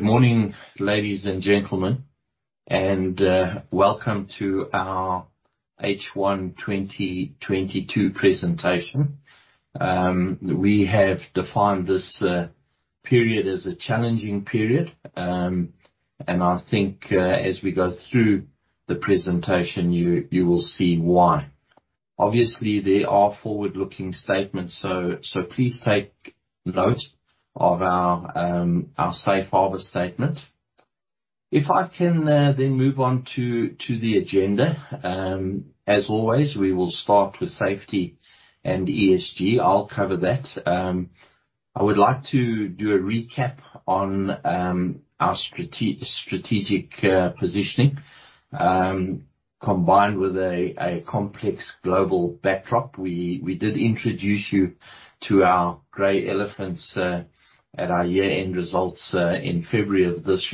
Good morning, ladies and gentlemen and welcome to our H1 2022 presentation. We have defined this period as a challenging period and I think, as we go through the presentation, you will see why. Obviously, there are forward-looking statements, so please take note of our safe harbor statement. If I can then move on to the agenda. As always, we will start with safety and ESG. I'll cover that. I would like to do a recap on our strategic positioning combined with a complex global backdrop. We did introduce you to our grey elephants at our year-end results in February of this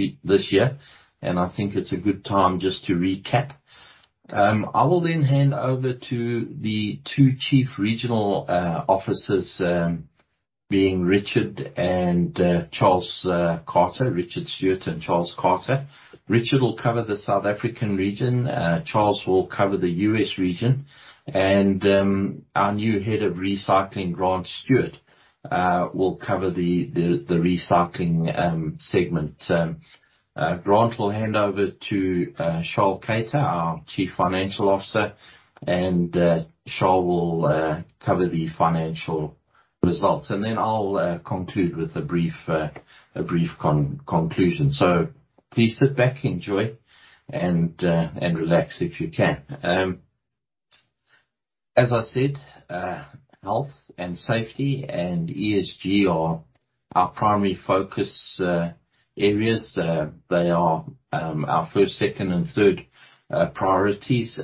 year and I think it's a good time just to recap. I will then hand over to the two chief regional officers, being Richard Stewart and Charles Carter. Richard will cover the South African region, Charles will cover the U.S. region and our new head of recycling, Grant Stuart, will cover the recycling segment. Grant will hand over to Charl Keyter, our Chief Financial Officer and Charl will cover the financial results. I'll conclude with a brief conclusion. Please sit back, enjoy and relax if you can. As I said, health and safety and ESG are our primary focus areas. They are our first, second and third priorities.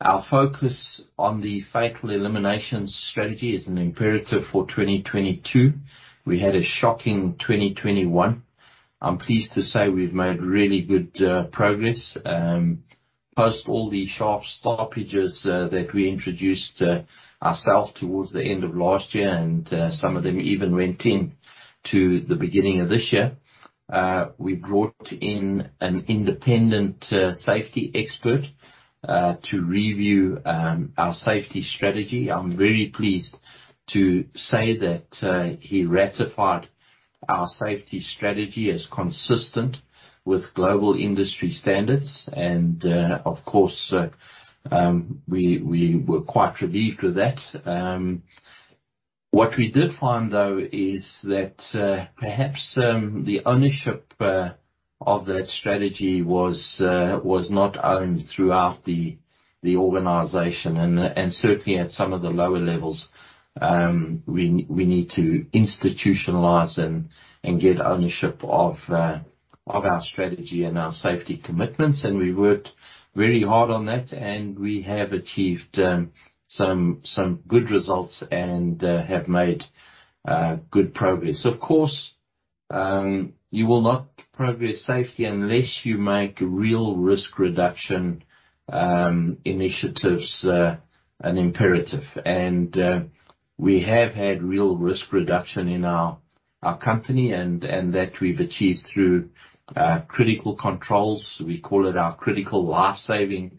Our focus on the fatal elimination strategy is an imperative for 2022. We had a shocking 2021. I'm pleased to say we've made really good progress post all the sharp stoppages that we introduced ourselves towards the end of last year and some of them even went into the beginning of this year. We brought in an independent safety expert to review our safety strategy. I'm very pleased to say that he ratified our safety strategy as consistent with global industry standards and, of course, we were quite relieved with that. What we did find, though, is that perhaps the ownership of that strategy was not owned throughout the organization and certainly at some of the lower levels, we need to institutionalize and get ownership of our strategy and our safety commitments. We worked very hard on that and we have achieved some good results and have made good progress. Of course, you will not progress safety unless you make real risk reduction initiatives an imperative. We have had real risk reduction in our company and that we've achieved through critical controls. We call it our critical life-saving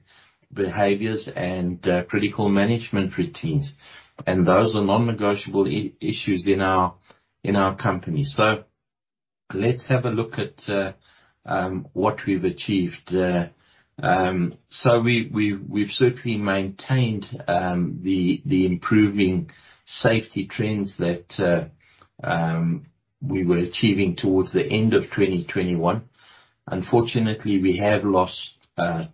behaviors and critical management routines. Those are non-negotiable issues in our company. Let's have a look at what we've achieved. We've certainly maintained the improving safety trends that we were achieving towards the end of 2021. Unfortunately, we have lost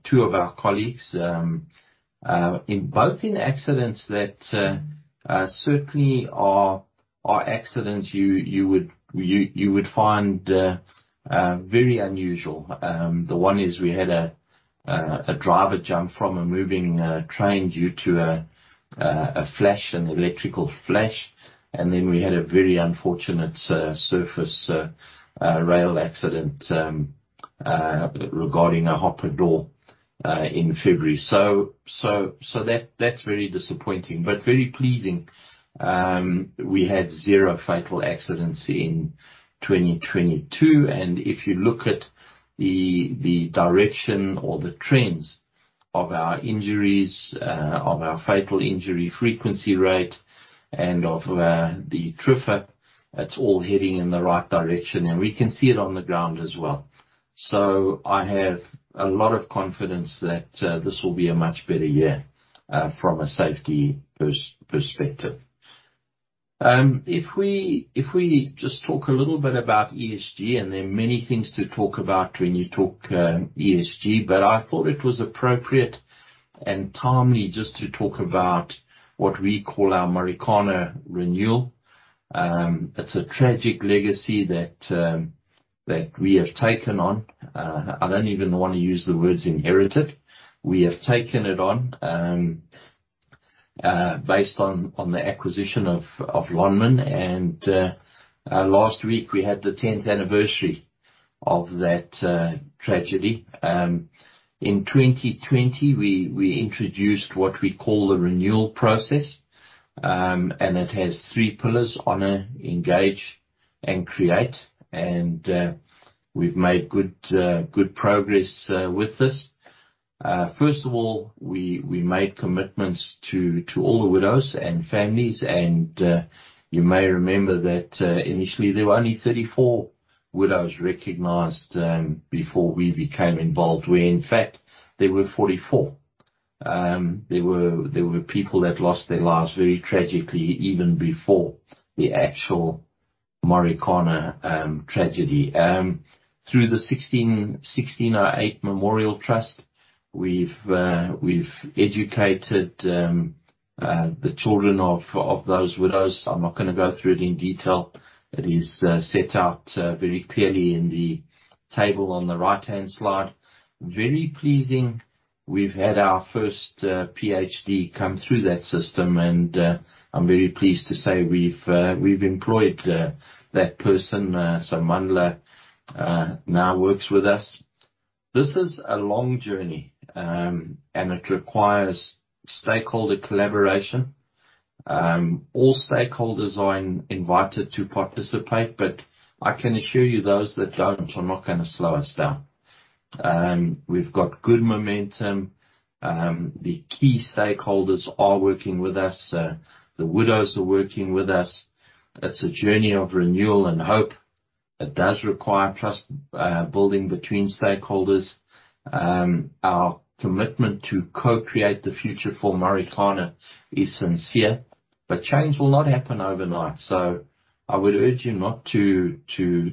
two of our colleagues in both accidents that certainly are accidents you would find very unusual. The one is we had a driver jump from a moving train due to a flash, an electrical flash and then we had a very unfortunate surface rail accident regarding a hopper door in February. That's very disappointing but very pleasing, we had zero fatal accidents in 2022. If you look at the direction or the trends of our injuries of our fatal injury frequency rate and of the TRIFR, it's all heading in the right direction and we can see it on the ground as well. I have a lot of confidence that, this will be a much better year, from a safety perspective. If we just talk a little bit about ESG and there are many things to talk about when you talk ESG but I thought it was appropriate and timely just to talk about what we call our Marikana Renewal. It's a tragic legacy that we have taken on. I don't even wanna use the words inherited. We have taken it on, based on the acquisition of Lonmin. Last week, we had the tenth anniversary of that tragedy. In 2020, we introduced what we call the renewal process and it has three pillars, honor, engage and create. We've made good progress with this. First of all, we made commitments to all the widows and families. You may remember that initially there were only 34 widows recognized before we became involved, where in fact there were 44. There were people that lost their lives very tragically, even before the actual Marikana tragedy. Through the 1608 Memorial Trust, we've educated the children of those widows. I'm not gonna go through it in detail. It is set out very clearly in the table on the right-hand slide. Very pleasing, we've had our first PhD come through that system and I'm very pleased to say we've employed that person. S'manala now works with us. This is a long journey and it requires stakeholder collaboration. All stakeholders are invited to participate but I can assure you, those that don't are not gonna slow us down. We've got good momentum. The key stakeholders are working with us. The widows are working with us. It's a journey of renewal and hope. It does require trust building between stakeholders. Our commitment to co-create the future for Marikana is sincere but change will not happen overnight. I would urge you not to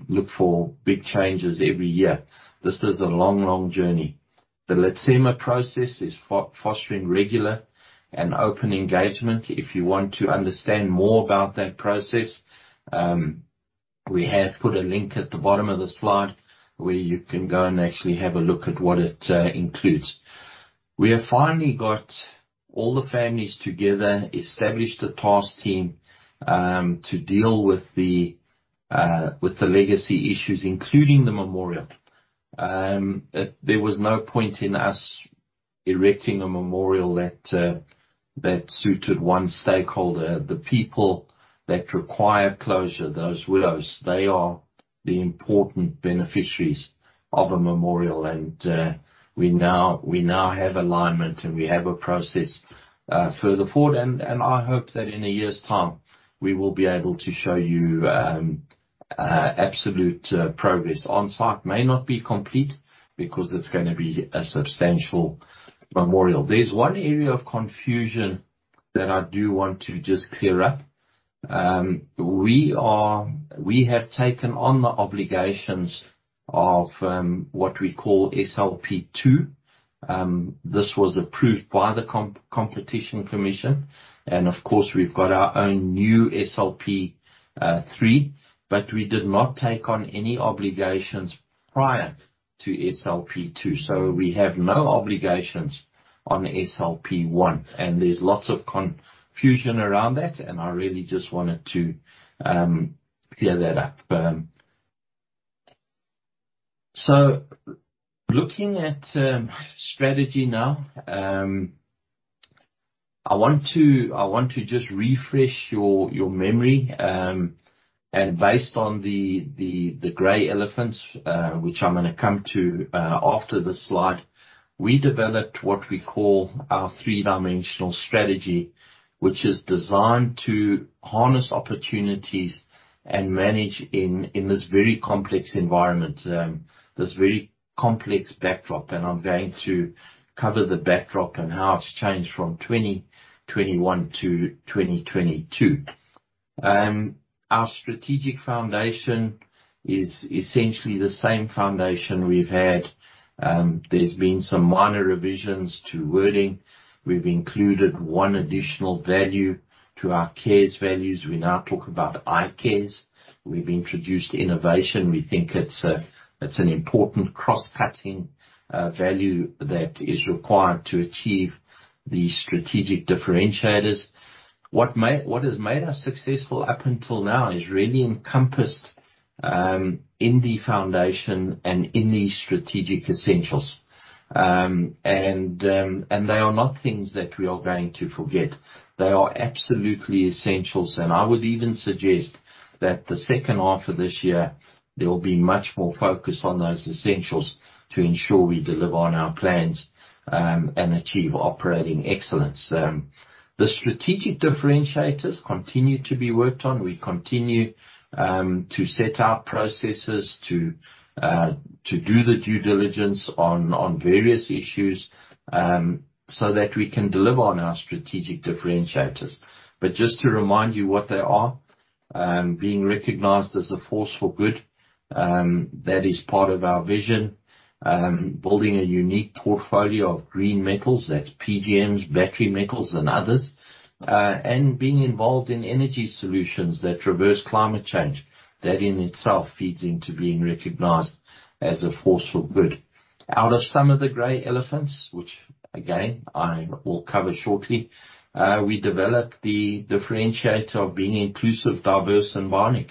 look for big changes every year. This is a long, long journey. The Letsema process is fostering regular and open engagement. If you want to understand more about that process, we have put a link at the bottom of the slide where you can go and actually have a look at what it includes. We have finally got all the families together, established a task team, to deal with the legacy issues, including the memorial. There was no point in us erecting a memorial that suited one stakeholder. The people that require closure, those widows, they are the important beneficiaries of a memorial. We now have alignment and we have a process further forward. I hope that in a year's time, we will be able to show you absolute progress. On-site may not be complete because it's gonna be a substantial memorial. There's one area of confusion that I do want to just clear up. We have taken on the obligations of what we call SLP two. This was approved by the Competition Commission and of course, we've got our own new SLP three but we did not take on any obligations prior to SLP two. We have no obligations on SLP one and there's lots of confusion around that and I really just wanted to clear that up. Looking at strategy now, I want to just refresh your memory and based on the grey elephants, which I'm gonna come to after this slide. We developed what we call our three-dimensional strategy, which is designed to harness opportunities and manage in this very complex environment, this very complex backdrop. I'm going to cover the backdrop and how it's changed from 2021 to 2022. Our strategic foundation is essentially the same foundation we've had. There's been some minor revisions to wording. We've included one additional value to our iCARES values. We now talk about iCARES. We've introduced innovation. We think it's an important cross-cutting value that is required to achieve the strategic differentiators. What has made us successful up until now is really encompassed in the foundation and in the strategic essentials. They are not things that we are going to forget. They are absolutely essentials and I would even suggest that the second half of this year, there will be much more focus on those essentials to ensure we deliver on our plans and achieve operating excellence. The strategic differentiators continue to be worked on. We continue to set our processes to do the due diligence on various issues so that we can deliver on our strategic differentiators. Just to remind you what they are, being recognized as a force for good, that is part of our vision. Building a unique portfolio of green metals, that's PGMs, battery metals and others. Being involved in energy solutions that reverse climate change. That in itself feeds into being recognized as a force for good. Out of some of the gray elephants, which again, I will cover shortly, we developed the differentiator of being inclusive, diverse and bionic.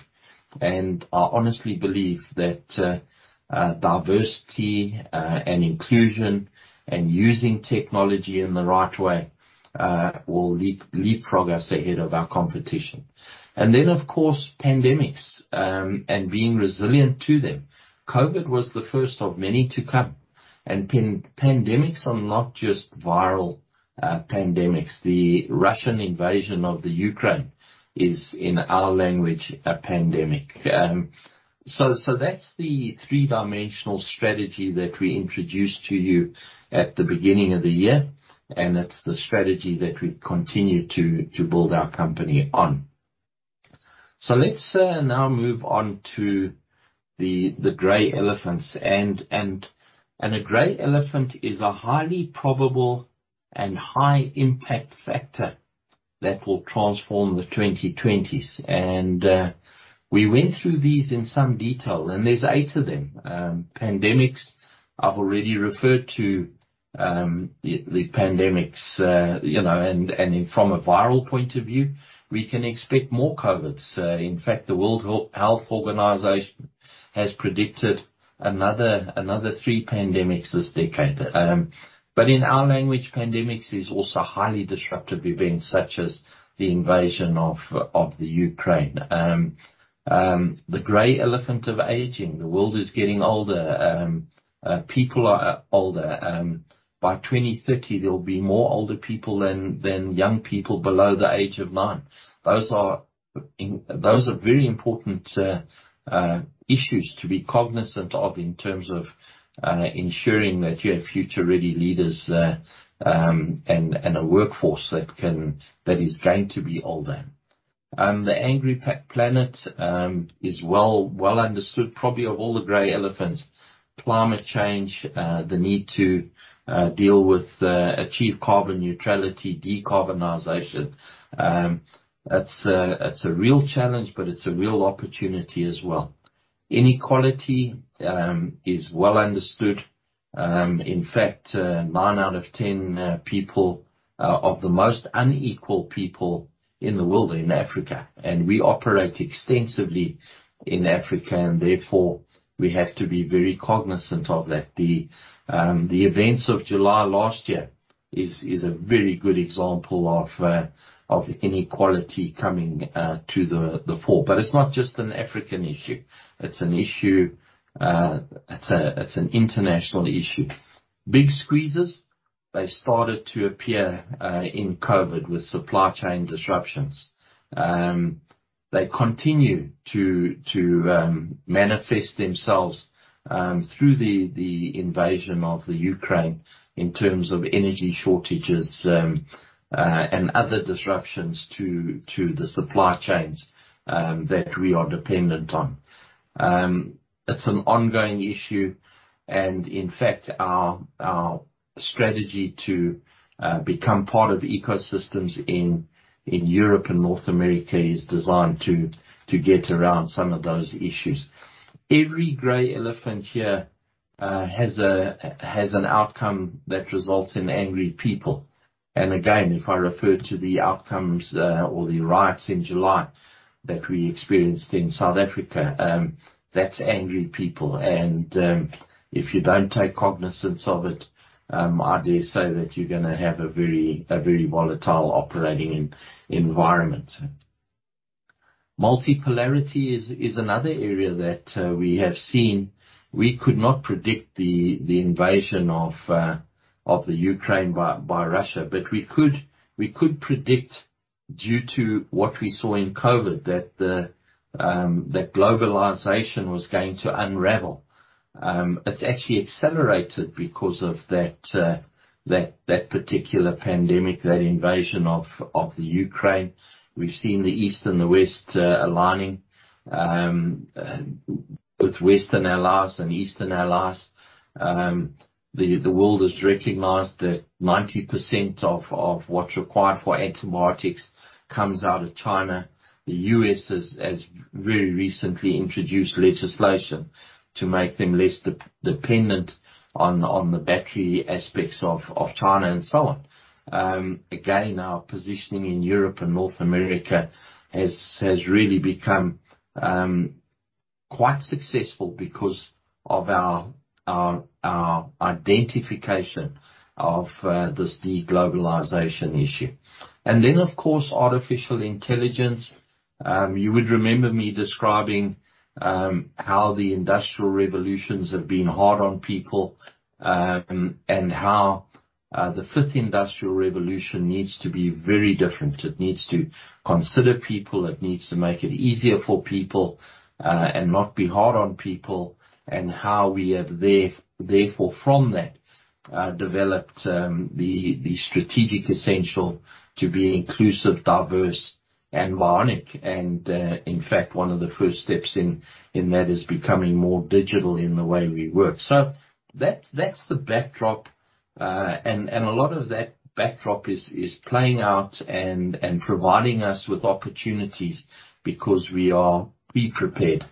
I honestly believe that diversity and inclusion and using technology in the right way will leapfrog us ahead of our competition. Then, of course, pandemics and being resilient to them. COVID was the first of many to come. Pan-pandemics are not just viral, pandemics. The Russian invasion of the Ukraine is, in our language, a pandemic. That's the three-dimensional strategy that we introduced to you at the beginning of the year and it's the strategy that we continue to build our company on. Let's now move on to the gray elephants. A gray elephant is a highly probable and high impact factor that will transform the twenty-twenties. We went through these in some detail and there's eight of them. Pandemics, I've already referred to the pandemics. You know, from a viral point of view, we can expect more COVIDs. In fact, the World Health Organization has predicted another three pandemics this decade. In our language, pandemics is also highly disruptive events such as the invasion of the Ukraine. The grey elephant of aging. The world is getting older. People are older. By 2030, there'll be more older people than young people below the age of nine. Those are very important issues to be cognizant of in terms of ensuring that you have future-ready leaders and a workforce that is going to be older. The angry planet is well understood, probably of all the grey elephants. Climate change, the need to deal with, achieve carbon neutrality, decarbonization. It's a real challenge but it's a real opportunity as well. Inequality is well understood. In fact, nine out of ten of the most unequal people in the world are in Africa and we operate extensively in Africa and therefore we have to be very cognizant of that. The events of July last year is a very good example of inequality coming to the fore. It's not just an African issue. It's an international issue. Big squeezes, they started to appear in COVID with supply chain disruptions. They continue to manifest themselves through the invasion of Ukraine in terms of energy shortages and other disruptions to the supply chains that we are dependent on. It's an ongoing issue. In fact, our strategy to become part of ecosystems in Europe and North America is designed to get around some of those issues. Every grey elephant here has an outcome that results in angry people. Again, if I refer to the outcomes or the riots in July that we experienced in South Africa, that's angry people. If you don't take cognizance of it, I dare say that you're gonna have a very volatile operating environment. Multipolarity is another area that we have seen. We could not predict the invasion of the Ukraine by Russia but we could predict, due to what we saw in COVID, that globalization was going to unravel. It's actually accelerated because of that particular pandemic, that invasion of the Ukraine. We've seen the East and the West aligning with Western allies and Eastern allies. The world has recognized that 90% of what's required for antibiotics comes out of China. The U.S. has very recently introduced legislation to make them less dependent on the battery aspects of China and so on. Again, our positioning in Europe and North America has really become quite successful because of our identification of the globalization issue. Then, of course, artificial intelligence. You would remember me describing how the industrial revolutions have been hard on people and how the fifth industrial revolution needs to be very different. It needs to consider people, it needs to make it easier for people and not be hard on people and how we have therefore, from that, developed the strategic essential to be inclusive, diverse and bionic. In fact, one of the first steps in that is becoming more digital in the way we work. That's the backdrop. A lot of that backdrop is playing out and providing us with opportunities because we are prepared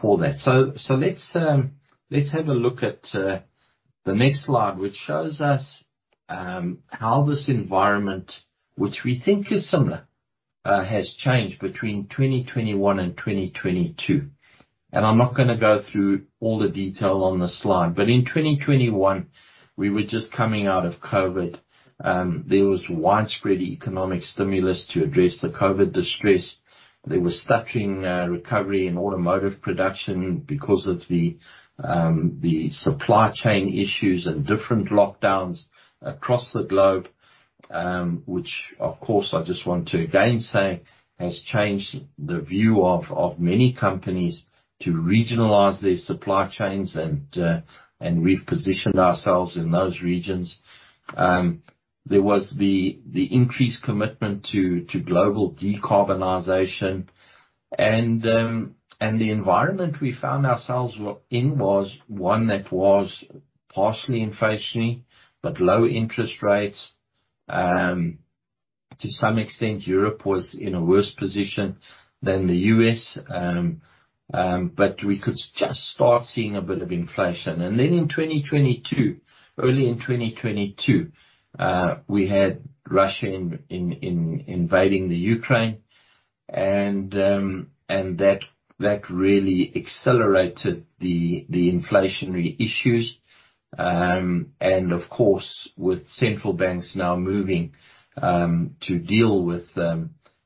for that. Let's have a look at the next slide, which shows us how this environment, which we think is similar, has changed between 2021 and 2022. I'm not gonna go through all the detail on the slide but in 2021, we were just coming out of COVID. There was widespread economic stimulus to address the COVID distress. There was stuttering recovery in automotive production because of the supply chain issues and different lockdowns across the globe. Which of course, I just want to again say, has changed the view of many companies to regionalize their supply chains and repositioned ourselves in those regions. There was the increased commitment to global decarbonization. The environment we found ourselves in was one that was partially inflationary but low interest rates. To some extent, Europe was in a worse position than the U.S. but we could just start seeing a bit of inflation. In 2022, early in 2022, we had Russia invading the Ukraine and that really accelerated the inflationary issues. Of course, with central banks now moving to deal with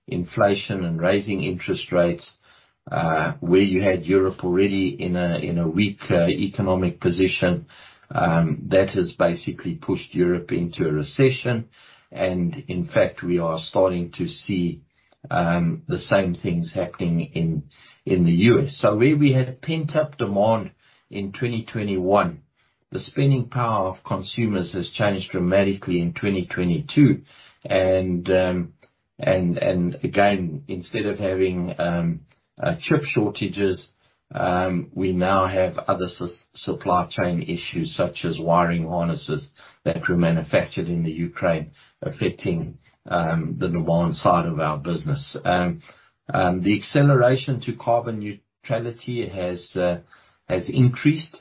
inflation and raising interest rates, where you had Europe already in a weak economic position, that has basically pushed Europe into a recession. In fact, we are starting to see the same things happening in the U.S. Where we had pent-up demand in 2021, the spending power of consumers has changed dramatically in 2022. Again, instead of having chip shortages, we now have other supply chain issues, such as wiring harnesses that were manufactured in the Ukraine, affecting the side of our business. The acceleration to carbon neutrality has increased.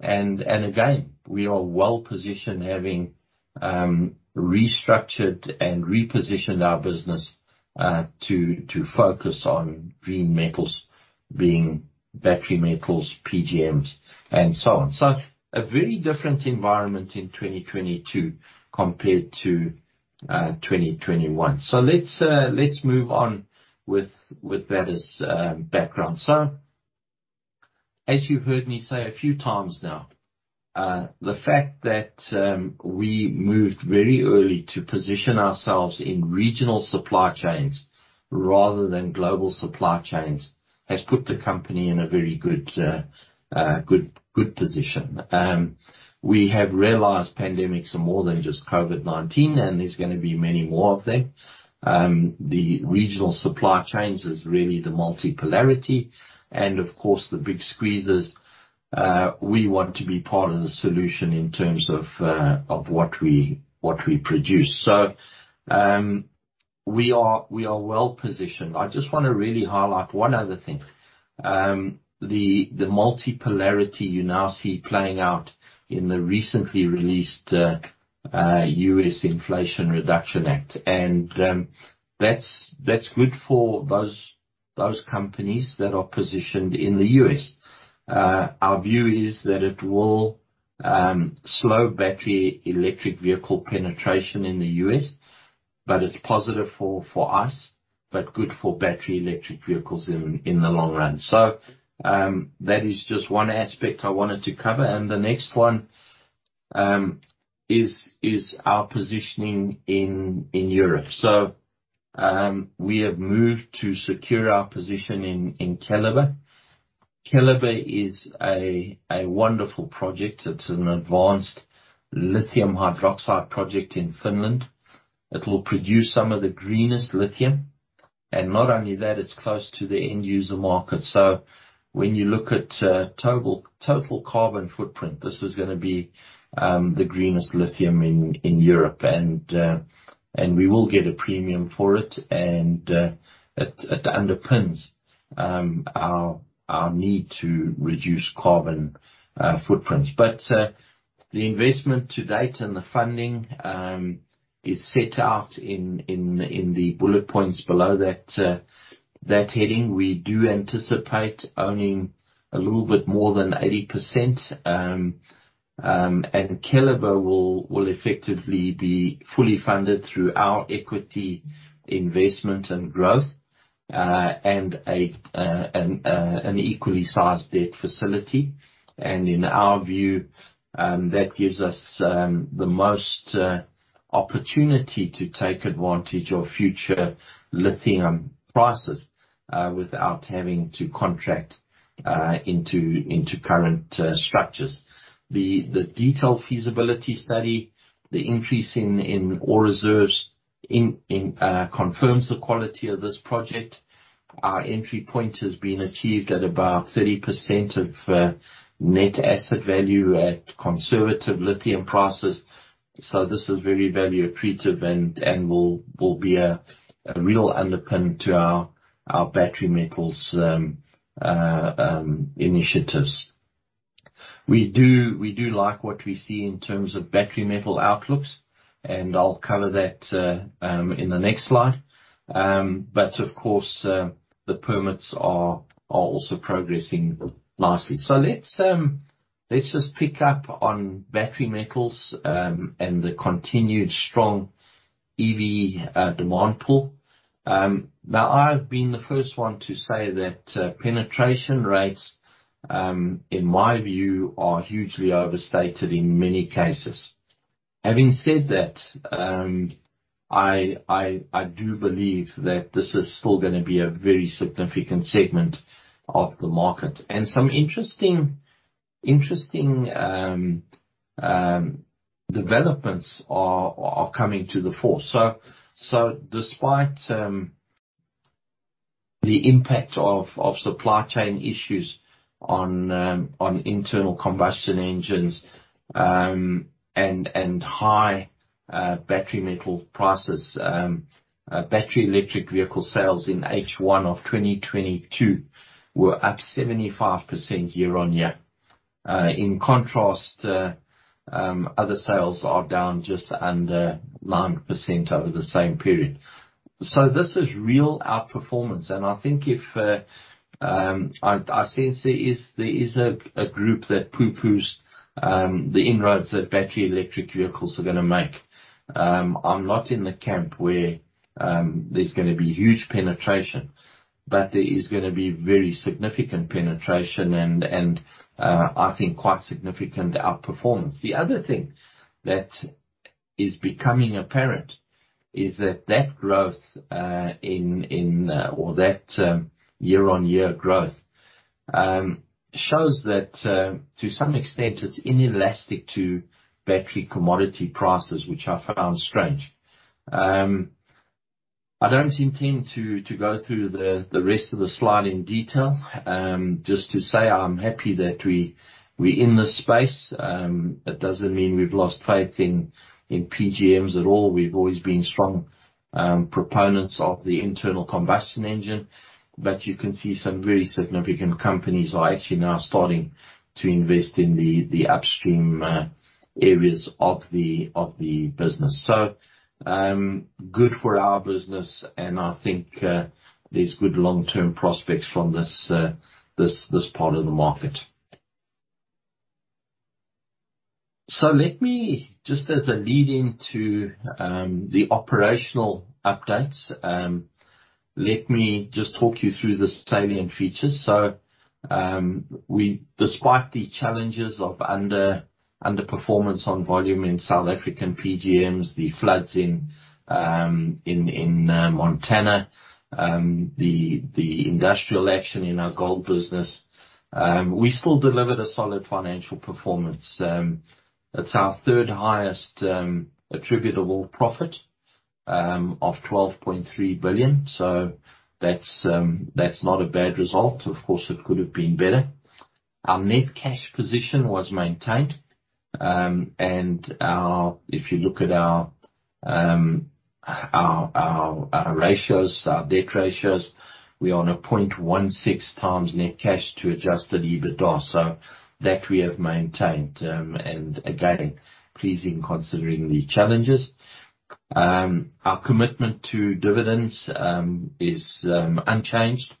Again, we are well positioned, having restructured and repositioned our business to focus on green metals being battery metals, PGMs and so on. A very different environment in 2022 compared to 2021. Let's move on with that as background. As you've heard me say a few times now, the fact that we moved very early to position ourselves in regional supply chains rather than global supply chains has put the company in a very good position. We have realized pandemics are more than just COVID-19 and there's gonna be many more of them. The regional supply chains is really the multipolarity and of course, the big squeezes. We want to be part of the solution in terms of what we produce. We are well-positioned. I just wanna really highlight one other thing. The multipolarity you now see playing out in the recently released U.S. Inflation Reduction Act. That's good for those companies that are positioned in the U.S. Our view is that it will slow battery electric vehicle penetration in the U.S. but it's positive for us but good for battery electric vehicles in the long run. That is just one aspect I wanted to cover. The next one is our positioning in Europe. We have moved to secure our position in Keliber. Keliber is a wonderful project. It's an advanced lithium hydroxide project in Finland. It will produce some of the greenest lithium and not only that, it's close to the end user market. When you look at total carbon footprint, this is gonna be the greenest lithium in Europe. We will get a premium for it. It underpins our need to reduce carbon footprints. The investment to date and the funding is set out in the bullet points below that heading. We do anticipate owning a little bit more than 80% and Keliber will effectively be fully funded through our equity investment and growth and an equally sized debt facility. In our view, that gives us the most opportunity to take advantage of future lithium prices without having to contract into current structures. The detailed feasibility study, the increase in ore reserves, confirms the quality of this project. Our entry point has been achieved at about 30% of net asset value at conservative lithium prices. This is very value accretive and will be a real underpin to our battery metals initiatives. We like what we see in terms of battery metal outlooks and I'll cover that in the next slide. Of course, the permits are also progressing nicely. Let's just pick up on battery metals and the continued strong EV demand pool. Now, I've been the first one to say that penetration rates, in my view, are hugely overstated in many cases. Having said that, I do believe that this is still gonna be a very significant segment of the market. Some interesting developments are coming to the fore. Despite the impact of supply chain issues on internal combustion engines and high battery metal prices, battery electric vehicle sales in H1 of 2022 were up 75% year-on-year. In contrast, other sales are down just under 9% over the same period. This is real outperformance and I think I sense there is a group that poo-poos the inroads that battery electric vehicles are gonna make. I'm not in the camp where there's gonna be huge penetration but there is gonna be very significant penetration and I think quite significant outperformance. The other thing that is becoming apparent is that that growth in or that year-on-year growth shows that to some extent it's inelastic to battery commodity prices, which I found strange. I don't intend to go through the rest of the slide in detail. Just to say I'm happy that we're in this space. It doesn't mean we've lost faith in PGMs at all. We've always been strong proponents of the internal combustion engine. You can see some very significant companies are actually now starting to invest in the upstream areas of the business. Good for our business and I think there's good long-term prospects from this part of the market. Let me just as a lead-in to the operational updates talk you through the salient features. Despite the challenges of underperformance on volume in South African PGMs, the floods in Montana, the industrial action in our gold business, we still delivered a solid financial performance. It's our third-highest attributable profit of 12.3 billion. That's not a bad result. Of course, it could have been better. Our net cash position was maintained. If you look at our ratios, our debt ratios, we are on 0.16 times net cash to adjusted EBITDA. That we have maintained and again, pleasing considering the challenges. Our commitment to dividends is unchanged.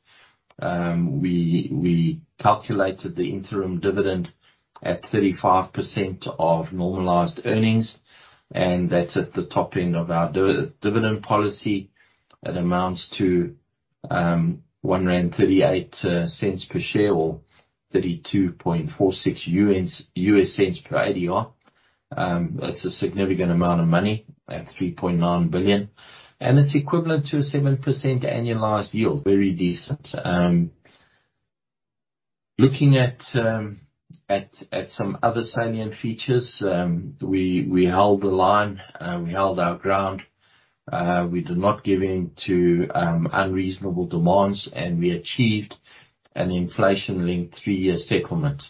We calculated the interim dividend at 35% of normalized earnings and that's at the top end of our dividend policy. It amounts to 1.38 per share or $0.3246 per ADR. That's a significant amount of money at 3.9 billion and it's equivalent to a 7% annualized yield. Very decent. Looking at some other salient features, we held the line, we held our ground. We did not give in to unreasonable demands and we achieved an inflation-linked three-year settlement.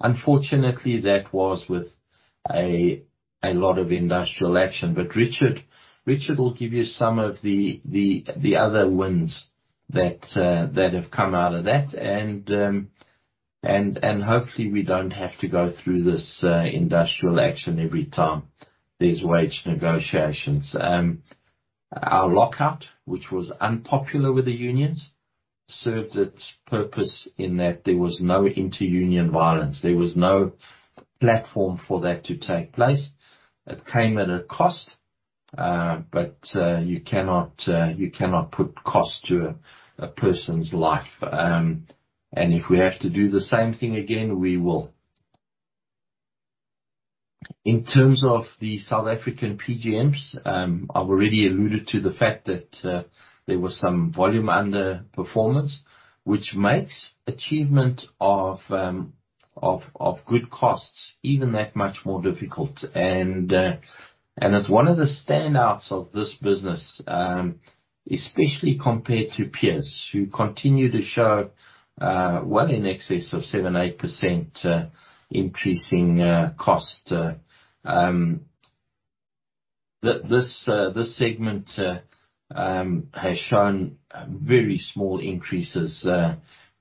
Unfortunately, that was with a lot of industrial action. Richard will give you some of the other wins that have come out of that. Hopefully we don't have to go through this industrial action every time there's wage negotiations. Our lockout, which was unpopular with the unions, served its purpose in that there was no inter-union violence. There was no platform for that to take place. It came at a cost but you cannot put cost to a person's life. If we have to do the same thing again, we will. In terms of the South African PGMs, I've already alluded to the fact that there was some volume underperformance which makes achievement of good costs, even that much more difficult. As one of the standouts of this business, especially compared to peers who continue to show well in excess of 7%-8% increasing cost. This segment has shown very small increases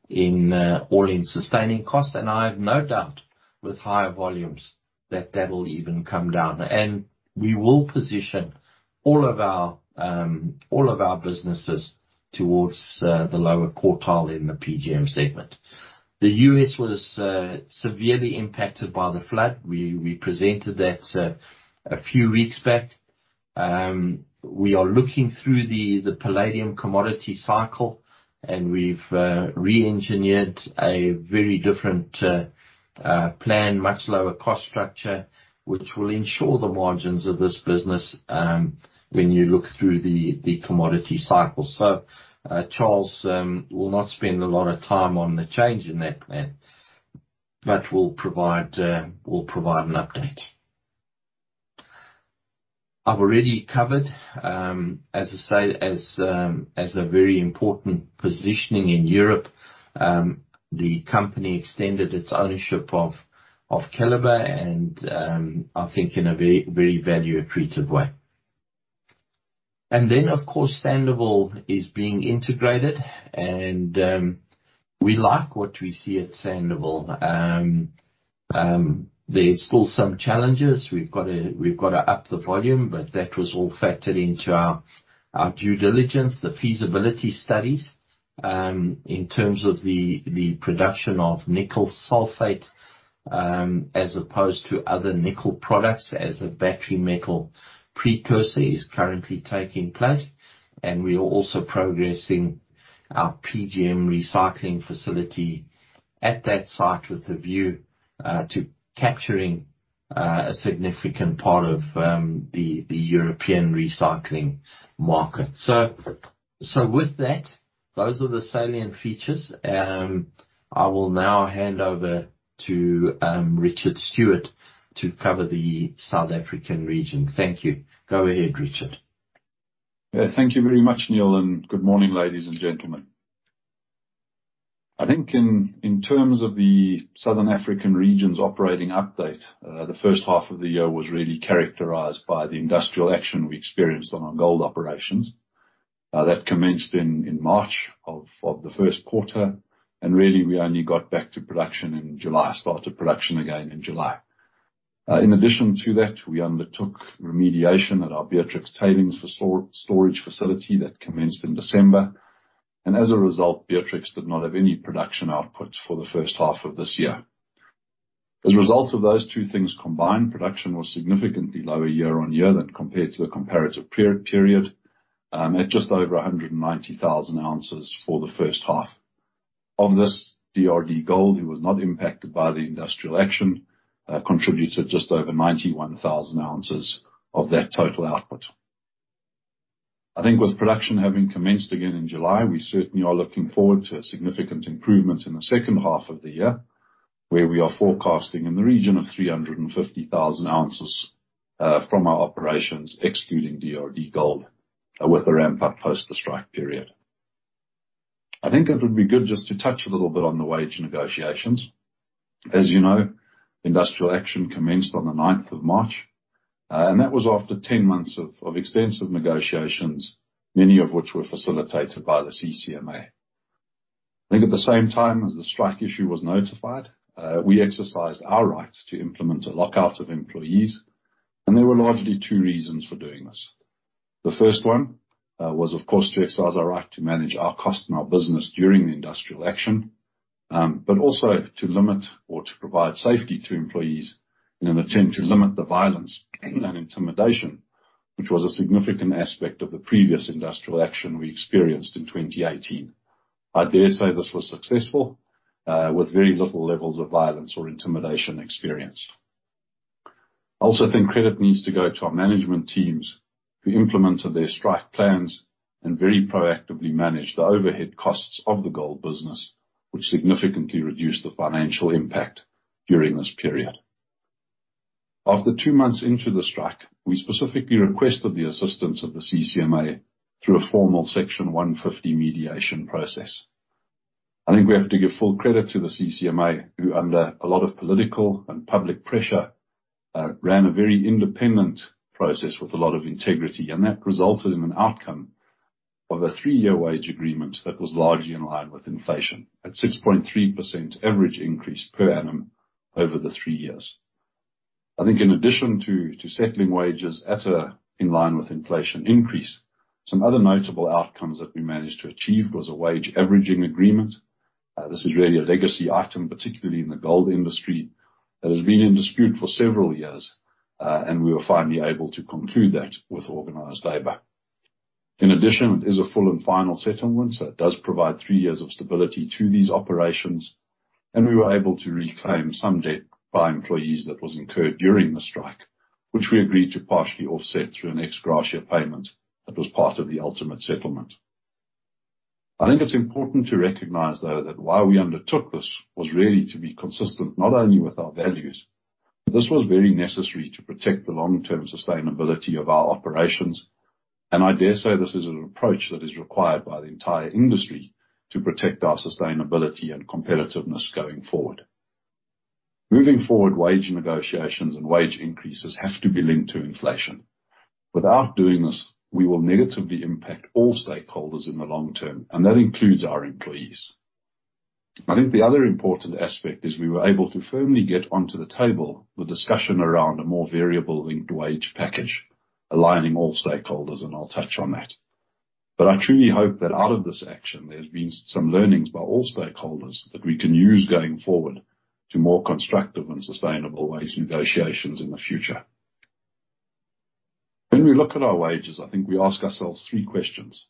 in all-in sustaining costs. I have no doubt with higher volumes that will even come down. We will position all of our businesses towards the lower quartile in the PGM segment. The U.S. was severely impacted by the flood. We presented that a few weeks back. We are looking through the palladium commodity cycle and we've reengineered a very different plan, much lower cost structure, which will ensure the margins of this business when you look through the commodity cycle. Charles will not spend a lot of time on the change in that plan but we'll provide an update. I've already covered, as I say, a very important positioning in Europe, the company extended its ownership of Keliber and I think in a very value-accretive way. Of course, Sandouville is being integrated. We like what we see at Sandouville. There's still some challenges. We've gotta up the volume but that was all factored into our due diligence, the feasibility studies, in terms of the production of nickel sulfate, as opposed to other nickel products as a battery metal precursor is currently taking place. We are also progressing our PGM recycling facility at that site with a view to capturing a significant part of the European recycling market. With that, those are the salient features. I will now hand over to Richard Stewart to cover the South African region. Thank you. Go ahead, Richard. Yeah. Thank you very much, Neal and good morning, ladies and gentlemen. I think in terms of the Southern African region's operating update, the first half of the year was really characterized by the industrial action we experienced on our gold operations. That commenced in March of the first quarter. Really, we only got back to production in July. Started production again in July. In addition to that, we undertook remediation at our Beatrix tailings storage facility that commenced in December. As a result, Beatrix did not have any production outputs for the first half of this year. As a result of those two things combined, production was significantly lower year-on-year than compared to the comparative period, at just over 190,000 ounces for the first half. Of this, DRDGold, who was not impacted by the industrial action, contributed just over 91,000 ounces of that total output. I think with production having commenced again in July, we certainly are looking forward to a significant improvement in the second half of the year, where we are forecasting in the region of 350,000 ounces from our operations, excluding DRDGold with the ramp up post the strike period. I think it would be good just to touch a little bit on the wage negotiations. As you know, industrial action commenced on the ninth of March and that was after 10 months of extensive negotiations, many of which were facilitated by the CCMA. I think at the same time as the strike issue was notified, we exercised our right to implement a lockout of employees and there were largely two reasons for doing this. The first one was, of course, to exercise our right to manage our cost and our business during the industrial action but also to limit or to provide safety to employees in an attempt to limit the violence and intimidation, which was a significant aspect of the previous industrial action we experienced in 2018. I dare say this was successful, with very little levels of violence or intimidation experienced. I also think credit needs to go to our management teams who implemented their strike plans and very proactively managed the overhead costs of the gold business, which significantly reduced the financial impact during this period. After two months into the strike, we specifically requested the assistance of the CCMA through a formal Section 150 mediation process. I think we have to give full credit to the CCMA, who under a lot of political and public pressure, ran a very independent process with a lot of integrity and that resulted in an outcome of a three-year wage agreement that was largely in line with inflation at 6.3% average increase per annum over the three years. I think in addition to settling wages at an in line with inflation increase, some other notable outcomes that we managed to achieve was a wage averaging agreement. This is really a legacy item, particularly in the gold industry, that has been in dispute for several years and we were finally able to conclude that with organized labor. In addition, it is a full and final settlement, so it does provide three years of stability to these operations and we were able to reclaim some debt by employees that was incurred during the strike, which we agreed to partially offset through an ex-gratia payment that was part of the ultimate settlement. I think it's important to recognize, though, that why we undertook this was really to be consistent, not only with our values. This was very necessary to protect the long-term sustainability of our operations and I dare say this is an approach that is required by the entire industry to protect our sustainability and competitiveness going forward. Moving forward, wage negotiations and wage increases have to be linked to inflation. Without doing this, we will negatively impact all stakeholders in the long term and that includes our employees. I think the other important aspect is we were able to firmly get onto the table the discussion around a more variable linked wage package aligning all stakeholders and I'll touch on that. I truly hope that out of this action, there's been some learnings by all stakeholders that we can use going forward to more constructive and sustainable wage negotiations in the future. When we look at our wages, I think we ask ourselves three questions.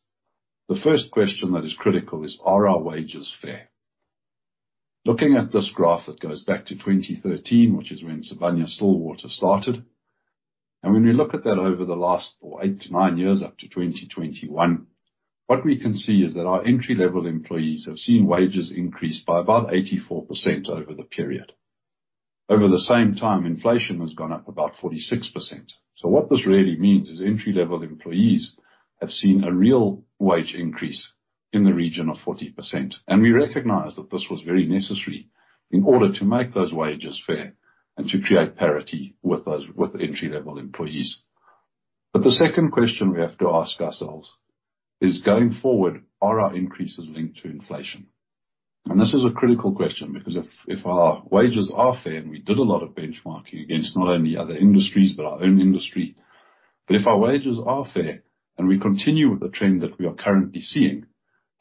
The first question that is critical is, are our wages fair? Looking at this graph that goes back to 2013, which is when Sibanye-Stillwater started. And when we look at that over the last eight-nine years up to 2021, what we can see is that our entry-level employees have seen wages increase by about 84% over the period. Over the same time, inflation has gone up about 46%. What this really means is entry-level employees have seen a real wage increase in the region of 40%. We recognize that this was very necessary in order to make those wages fair and to create parity with those, with entry-level employees. The second question we have to ask ourselves is, going forward, are our increases linked to inflation? This is a critical question because if our wages are fair and we did a lot of benchmarking against not only other industries but our own industry but if our wages are fair and we continue with the trend that we are currently seeing,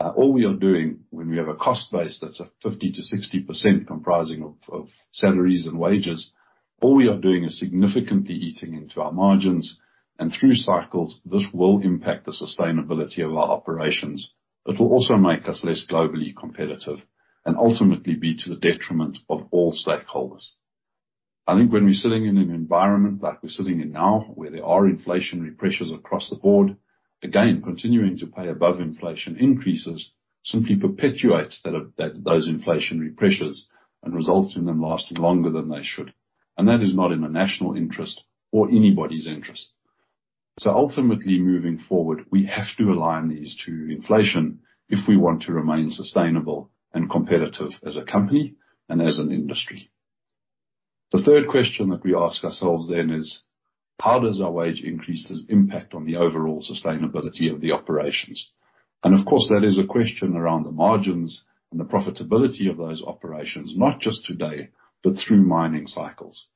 all we are doing when we have a cost base that's at 50%-60% comprising of salaries and wages, all we are doing is significantly eating into our margins. Through cycles, this will impact the sustainability of our operations. It will also make us less globally competitive and ultimately be to the detriment of all stakeholders. I think when we're sitting in an environment like we're sitting in now, where there are inflationary pressures across the board. Again, continuing to pay above inflation increases simply perpetuates those inflationary pressures and results in them lasting longer than they should. That is not in the national interest or anybody's interest. Ultimately, moving forward, we have to align these to inflation if we want to remain sustainable and competitive as a company and as an industry. The third question that we ask ourselves then is. How does our wage increases impact on the overall sustainability of the operations? Of course, that is a question around the margins and the profitability of those operations, not just today but through mining cycles.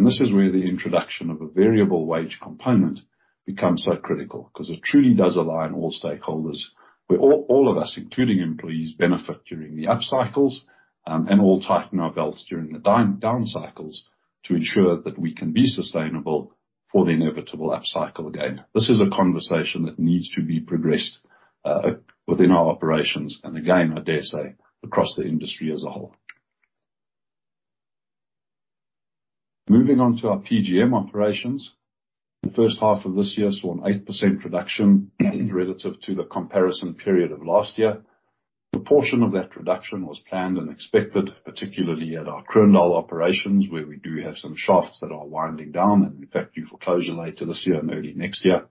This is where the introduction of a variable wage component becomes so critical, 'cause it truly does align all stakeholders, where all of us, including employees, benefit during the up cycles and all tighten our belts during the down cycles to ensure that we can be sustainable for the inevitable upcycle again. This is a conversation that needs to be progressed within our operations and again, I dare say, across the industry as a whole. Moving on to our PGM operations. The first half of this year saw an 8% reduction relative to the comparison period of last year. The portion of that reduction was planned and expected, particularly at our Kroondal operations, where we do have some shafts that are winding down and in fact, due for closure later this year and early next year.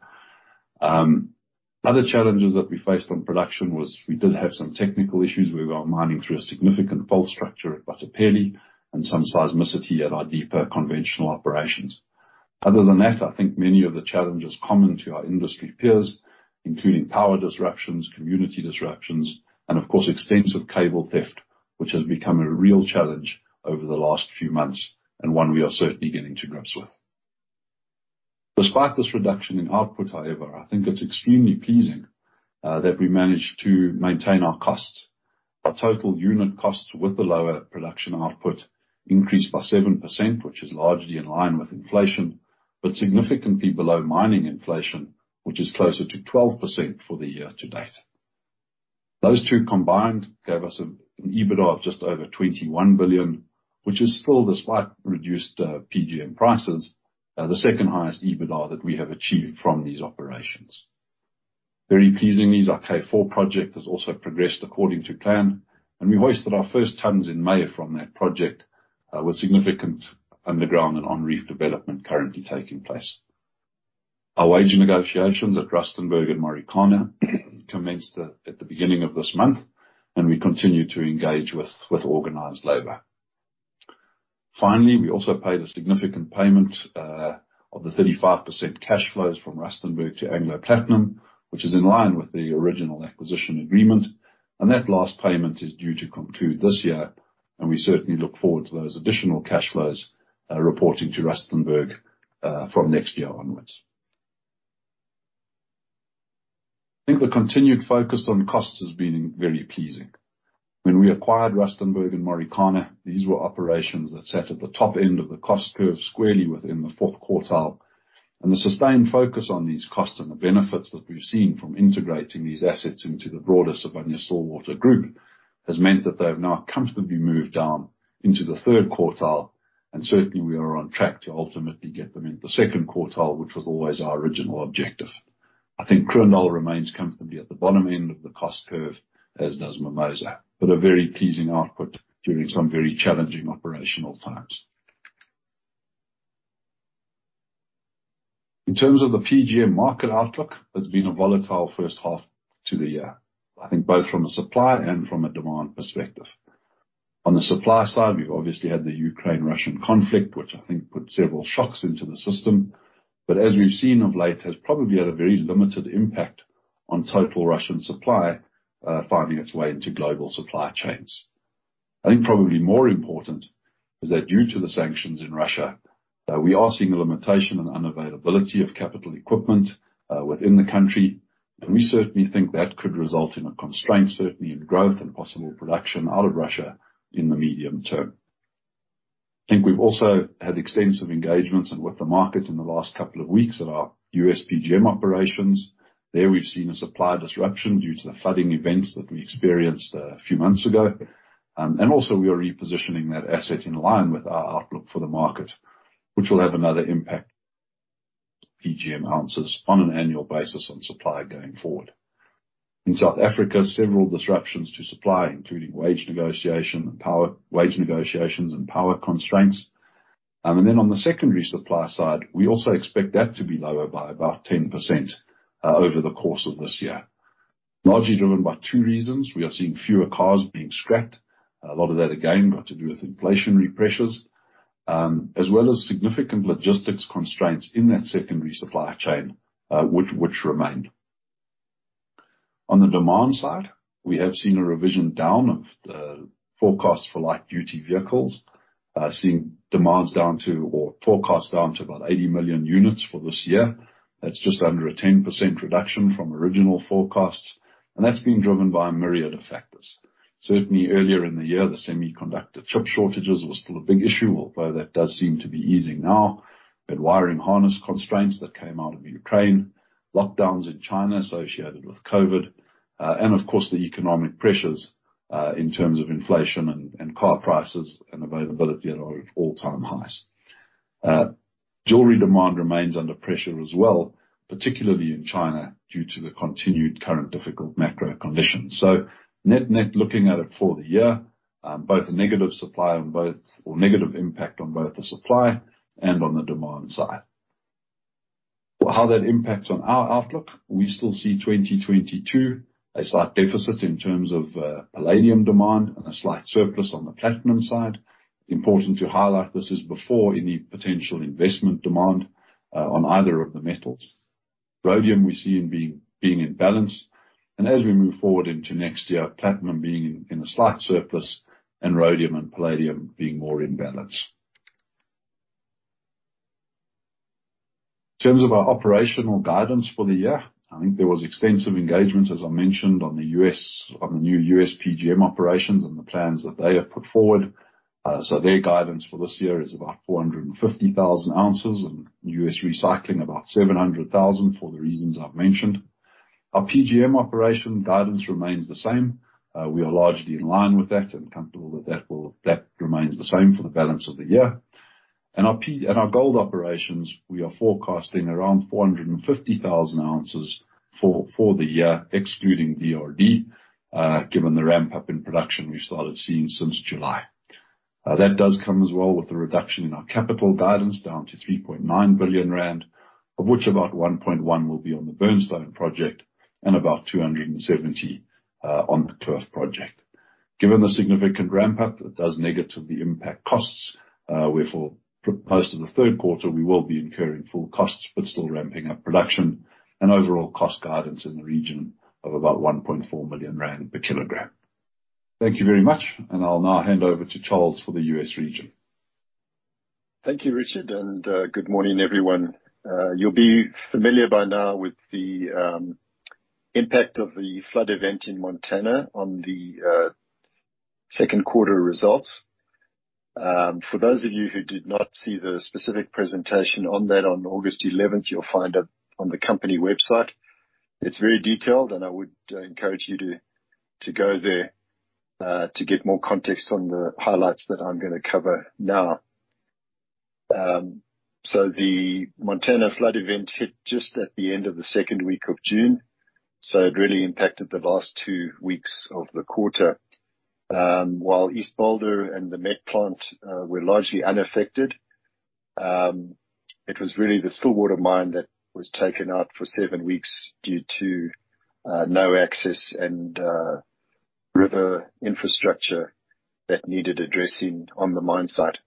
Other challenges that we faced on production was we did have some technical issues. We were mining through a significant fault structure at Bathopele and some seismicity at our deeper conventional operations. Other than that, I think many of the challenges common to our industry peers, including power disruptions, community disruptions and of course, extensive cable theft, which has become a real challenge over the last few months and one we are certainly getting to grips with. Despite this reduction in output, however, I think it's extremely pleasing that we managed to maintain our costs. Our total unit costs with the lower production output increased by 7%, which is largely in line with inflation but significantly below mining inflation, which is closer to 12% for the year to date. Those two combined gave us an EBITDA of just over 21 billion, which is still, despite reduced PGM prices, the second-highest EBITDA that we have achieved from these operations. Very pleasing is our K4 project has also progressed according to plan and we hoisted our first tons in May from that project, with significant underground and on-reef development currently taking place. Our wage negotiations at Rustenburg and Marikana commenced at the beginning of this month and we continue to engage with organized labor. Finally, we also paid a significant payment of the 35% cash flows from Rustenburg to Anglo American Platinum, which is in line with the original acquisition agreement. That last payment is due to conclude this year and we certainly look forward to those additional cash flows reporting to Rustenburg from next year onwards. I think the continued focus on costs has been very pleasing. When we acquired Rustenburg and Marikana, these were operations that sat at the top end of the cost curve, squarely within the fourth quartile. The sustained focus on these costs and the benefits that we've seen from integrating these assets into the broader Sibanye-Stillwater group has meant that they have now comfortably moved down into the third quartile. Certainly we are on track to ultimately get them into second quartile, which was always our original objective. I think Kroondal remains comfortably at the bottom end of the cost curve, as does Mimosa but a very pleasing output during some very challenging operational times. In terms of the PGM market outlook, it's been a volatile first half to the year. I think both from a supply and from a demand perspective. On the supply side, we've obviously had the Ukraine-Russian conflict, which I think put several shocks into the system. As we've seen of late, has probably had a very limited impact on total Russian supply, finding its way into global supply chains. I think probably more important is that due to the sanctions in Russia, we are seeing a limitation and unavailability of capital equipment, within the country and we certainly think that could result in a constraint, certainly in growth and possible production out of Russia in the medium term. I think we've also had extensive engagements and with the market in the last couple of weeks at our US PGM operations. There we've seen a supply disruption due to the flooding events that we experienced a few months ago. We are repositioning that asset in line with our outlook for the market, which will have another impact, PGM ounces on an annual basis on supply going forward. In South Africa, several disruptions to supply, including wage negotiations and power constraints. On the secondary supply side, we also expect that to be lower by about 10%, over the course of this year. Largely driven by two reasons. We are seeing fewer cars being scrapped. A lot of that, again, got to do with inflationary pressures, as well as significant logistics constraints in that secondary supply chain, which remain. On the demand side, we have seen a revision down of the forecast for light duty vehicles, forecast down to about 80 million units for this year. That's just under a 10% reduction from original forecasts and that's been driven by a myriad of factors. Certainly earlier in the year, the semiconductor chip shortages was still a big issue, although that does seem to be easing now. Wiring harness constraints that came out of Ukraine, lockdowns in China associated with COVID and of course, the economic pressures, in terms of inflation and car prices and availability are at all-time highs. Jewelry demand remains under pressure as well, particularly in China, due to the continued current difficult macro conditions. Net-net looking at it for the year, both a negative supply on both or negative impact on both the supply and on the demand side. How that impacts on our outlook, we still see 2022 a slight deficit in terms of palladium demand and a slight surplus on the platinum side. Important to highlight, this is before any potential investment demand on either of the metals. Rhodium, we're seeing being in balance and as we move forward into next year, platinum being in a slight surplus and rhodium and palladium being more in balance. In terms of our operational guidance for the year, I think there was extensive engagements, as I mentioned, on the new U.S. PGM operations and the plans that they have put forward. Their guidance for this year is about 450,000 ounces and U.S. recycling about 700,000 for the reasons I've mentioned. Our PGM operation guidance remains the same. We are largely in line with that and comfortable that that remains the same for the balance of the year. Our gold operations, we are forecasting around 450,000 ounces for the year, excluding DRD, given the ramp-up in production we started seeing since July. That does come as well with the reduction in our capital guidance down to 3.9 billion rand, of which about 1.1 billion will be on the Burnstone project and about 270 million on the Kloof project. Given the significant ramp-up, it does negatively impact costs, where for most of the third quarter we will be incurring full costs but still ramping up production and overall cost guidance in the region of about 1.4 million rand per kilogram. Thank you very much and I'll now hand over to Charles for the U.S. region. Thank you, Richard and good morning, everyone. You'll be familiar by now with the impact of the flood event in Montana on the second quarter results. For those of you who did not see the specific presentation on that on 11 August, you'll find it on the company website. It's very detailed and I would encourage you to go there to get more context on the highlights that I'm gonna cover now. The Montana flood event hit just at the end of the second week of June, so it really impacted the last two weeks of the quarter. While East Boulder and the Met Plant were largely unaffected, it was really the Stillwater Mine that was taken out for seven weeks due to no access and river infrastructure that needed addressing on the mine site.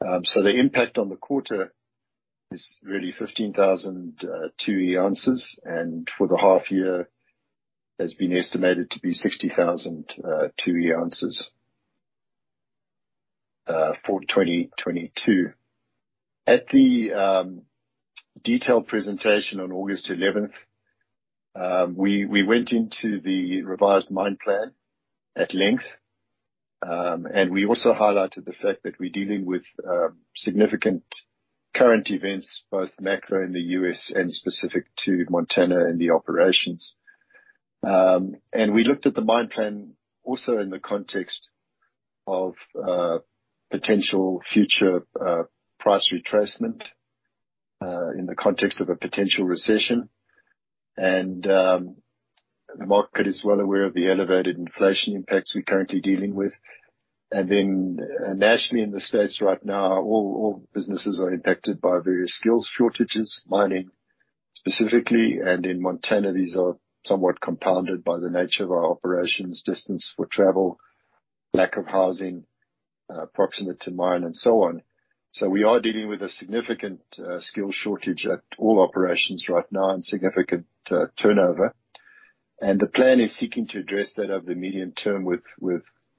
The impact on the quarter is really 15,000 2E ounces and for the half year has been estimated to be 60,000 2E ounces for 2022. At the detailed presentation on 11 August, we went into the revised mine plan at length and we also highlighted the fact that we're dealing with significant current events, both macro in the U.S. and specific to Montana and the operations. We looked at the mine plan also in the context of potential future price retracement in the context of a potential recession. The market is well aware of the elevated inflation impacts we're currently dealing with. Nationally in the States right now, all businesses are impacted by various skills shortages, mining specifically and in Montana, these are somewhat compounded by the nature of our operations, distance for travel, lack of housing proximate to mine and so on. We are dealing with a significant skill shortage at all operations right now and significant turnover. The plan is seeking to address that over the medium term with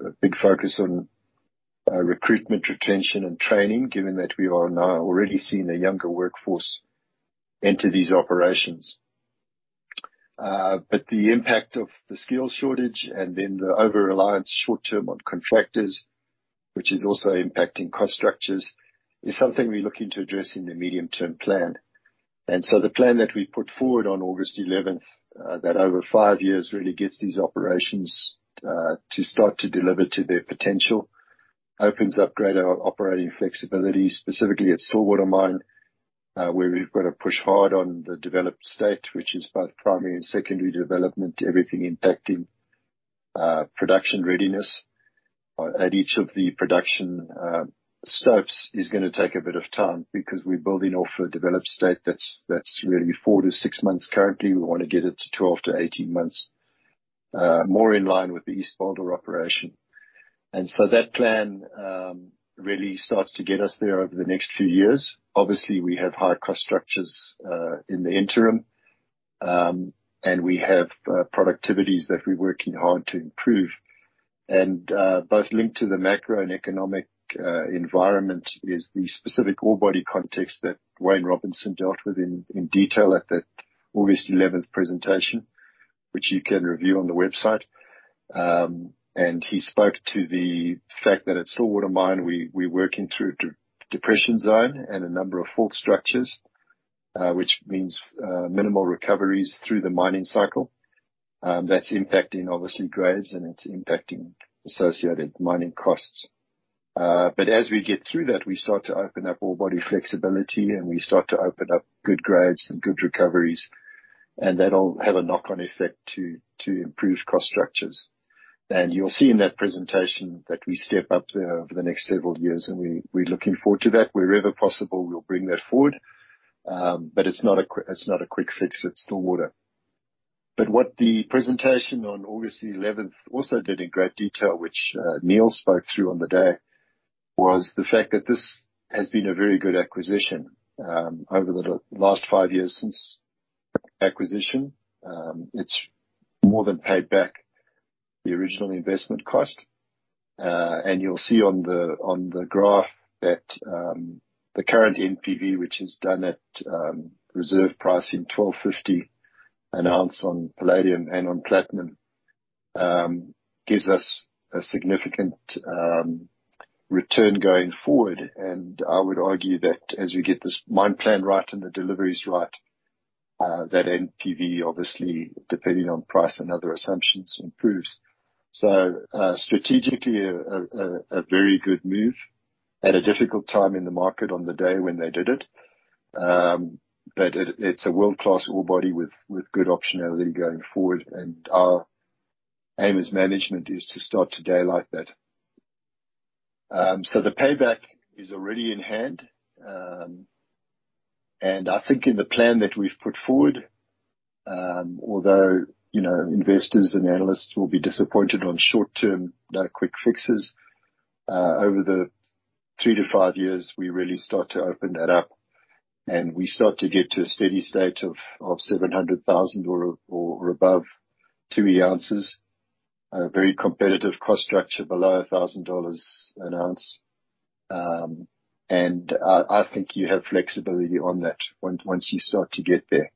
a big focus on recruitment, retention and training, given that we are now already seeing a younger workforce enter these operations. The impact of the skills shortage and then the over-reliance short term on contractors, which is also impacting cost structures, is something we're looking to address in the medium-term plan. The plan that we put forward on 11 August that over five years really gets these operations to start to deliver to their potential, opens up greater operating flexibility, specifically at Stillwater Mine, where we've got to push hard on the developed state, which is both primary and secondary development, everything impacting production readiness. At each of the production stops is gonna take a bit of time because we're building off a developed state that's really four-six months currently. We wanna get it to 12-18 months, more in line with the East Boulder operation. That plan really starts to get us there over the next few years. Obviously, we have high cost structures in the interim and we have productivities that we're working hard to improve. Both linked to the macro and economic environment is the specific ore body context that Wayne Robinson dealt with in detail at that 11 August presentation, which you can review on the website. He spoke to the fact that at Stillwater Mine, we're working through depression zone and a number of fault structures, which means minimal recoveries through the mining cycle. That's impacting obviously grades and it's impacting associated mining costs. As we get through that, we start to open up ore body flexibility and we start to open up good grades and good recoveries and that'll have a knock-on effect to improve cost structures. You'll see in that presentation that we step up there over the next several years and we're looking forward to that. Wherever possible, we'll bring that forward but it's not a quick fix at Stillwater. What the presentation on 11 August also did in great detail, which Neal spoke to on the day, was the fact that this has been a very good acquisition. Over the last five years since acquisition, it's more than paid back the original investment cost. You'll see on the graph that the current NPV, which is done at reserve pricing $1,250 an ounce on palladium and on platinum, gives us a significant return going forward. I would argue that as we get this mine plan right and the deliveries right, that NPV obviously, depending on price and other assumptions, improves. Strategically, a very good move at a difficult time in the market on the day when they did it. It's a world-class ore body with good optionality going forward and our aim as management is to start today like that. The payback is already in hand. I think in the plan that we've put forward, although, you know, investors and analysts will be disappointed in the short term, no quick fixes, over the three-five years, we really start to open that up and we start to get to a steady state of 700,000 or above 2E ounces. A very competitive cost structure below $1,000 an ounce. I think you have flexibility on that once you start to get there.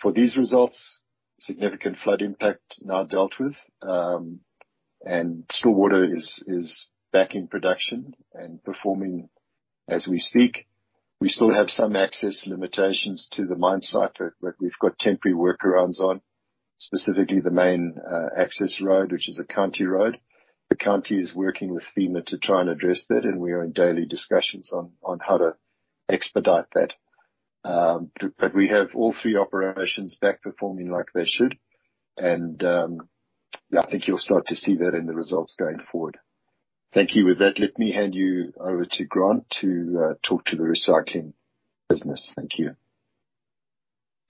For these results, significant flood impact now dealt with and Stillwater is back in production and performing as we speak. We still have some access limitations to the mine site that we've got temporary workarounds on, specifically the main access road, which is a county road. The county is working with FEMA to try and address that and we are in daily discussions on how to expedite that. We have all three operations back performing like they should. Yeah, I think you'll start to see that in the results going forward. Thank you. With that, let me hand you over to Grant to talk to the recycling business. Thank you.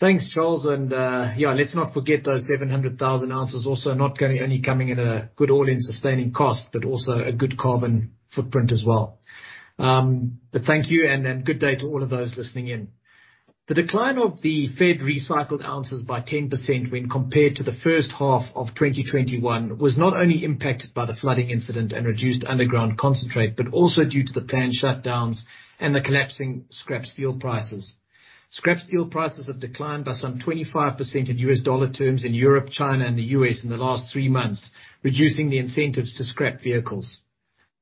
Thanks, Charles. Yeah, let's not forget those 700,000 ounces also only coming at a good all-in sustaining cost but also a good carbon footprint as well. Thank you and then good day to all of those listening in. The decline of the PGM recycled ounces by 10% when compared to the first half of 2021 was not only impacted by the flooding incident and reduced underground concentrate but also due to the planned shutdowns and the collapsing scrap steel prices. Scrap steel prices have declined by some 25% in U.S. dollar terms in Europe, China and the U.S. in the last three months, reducing the incentives to scrap vehicles.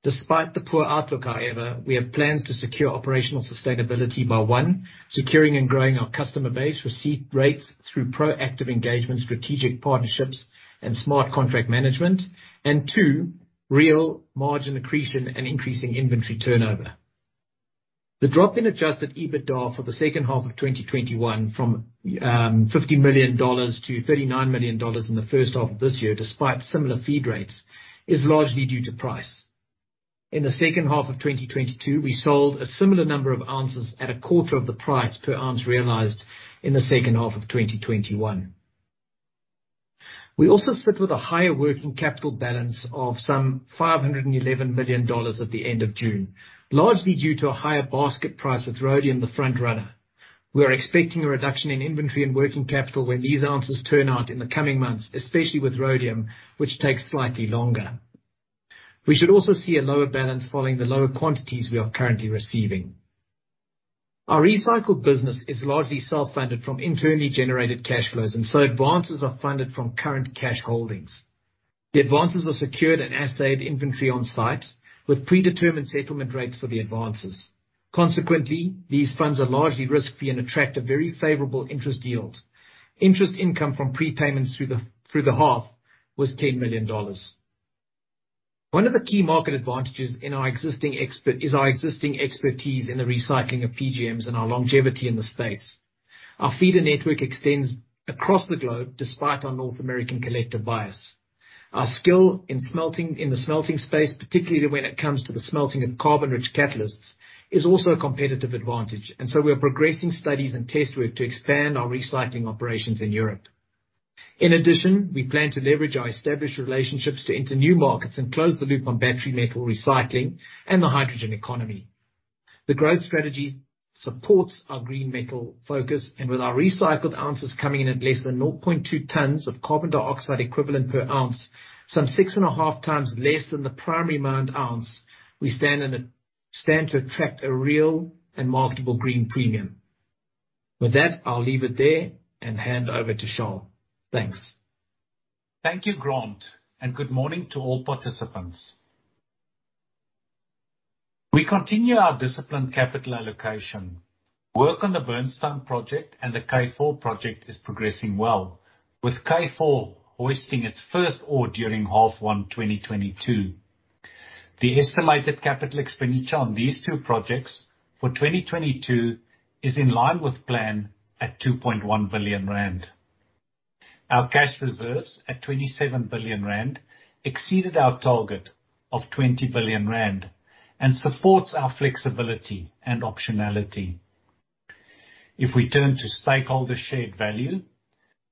Despite the poor outlook, however, we have plans to secure operational sustainability by, one, securing and growing our customer base receipt rates through proactive engagement, strategic partnerships and smart contract management. Two, real margin accretion and increasing inventory turnover. The drop in adjusted EBITDA for the second half of 2021 from $50 million to $39 million in the first half of this year, despite similar feed rates, is largely due to price. In the second half of 2022, we sold a similar number of ounces at a quarter of the price per ounce realized in the second half of 2021. We also sit with a higher working capital balance of some $511 million at the end of June, largely due to a higher basket price with rhodium the front runner. We are expecting a reduction in inventory and working capital when these ounces turn out in the coming months, especially with rhodium, which takes slightly longer. We should also see a lower balance following the lower quantities we are currently receiving. Our recycled business is largely self-funded from internally generated cash flows and so advances are funded from current cash holdings. The advances are secured and assayed inventory on site with predetermined settlement rates for the advances. Consequently, these funds are largely risk-free and attract a very favorable interest yield. Interest income from prepayments through the half was $10 million. One of the key market advantages is our existing expertise in the recycling of PGMs and our longevity in the space. Our feeder network extends across the globe despite our North American collector bias. Our skill in smelting, in the smelting space, particularly when it comes to the smelting of carbon-rich catalysts, is also a competitive advantage and so we are progressing studies and test work to expand our recycling operations in Europe. In addition, we plan to leverage our established relationships to enter new markets and close the loop on battery metal recycling and the hydrogen economy. The growth strategy supports our green metal focus and with our recycled ounces coming in at less than 0.2 tons of carbon dioxide equivalent per ounce, some 6.5 times less than the primary mined ounce, we stand to attract a real and marketable green premium. With that, I'll leave it there and hand over to Charl Keyter. Thanks. Thank you, Grant and good morning to all participants. We continue our disciplined capital allocation. Work on the Burnstone project and the K4 project is progressing well, with K4 hoisting its first ore during first half of 2022. The estimated capital expenditure on these two projects for 2022 is in line with plan at 2.1 billion rand. Our cash reserves at 27 billion rand exceeded our target of 20 billion rand and supports our flexibility and optionality. If we turn to stakeholder shared value,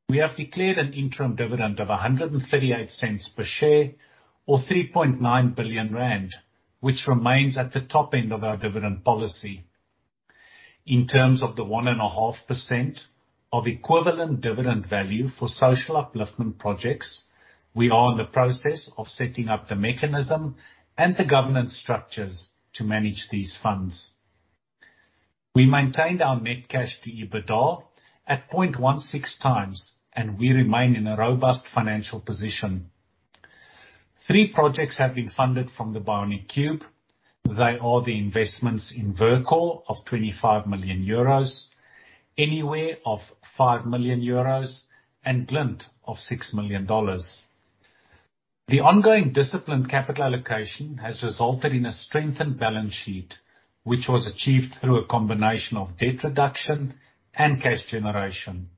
we have declared an interim dividend of 1.38 per share or 3.9 billion rand, which remains at the top end of our dividend policy. In terms of the 1.5% of equivalent dividend value for social upliftment projects, we are in the process of setting up the mechanism and the governance structures to manage these funds. We maintained our net cash to EBITDA at 0.16x and we remain in a robust financial position. Three projects have been funded from the BioniCCubE. They are the investments in Verkor of 25 million euros, Enhywhere of 5 million euros and Glint of $6 million. The ongoing disciplined capital allocation has resulted in a strengthened balance sheet, which was achieved through a combination of debt reduction and cash generation.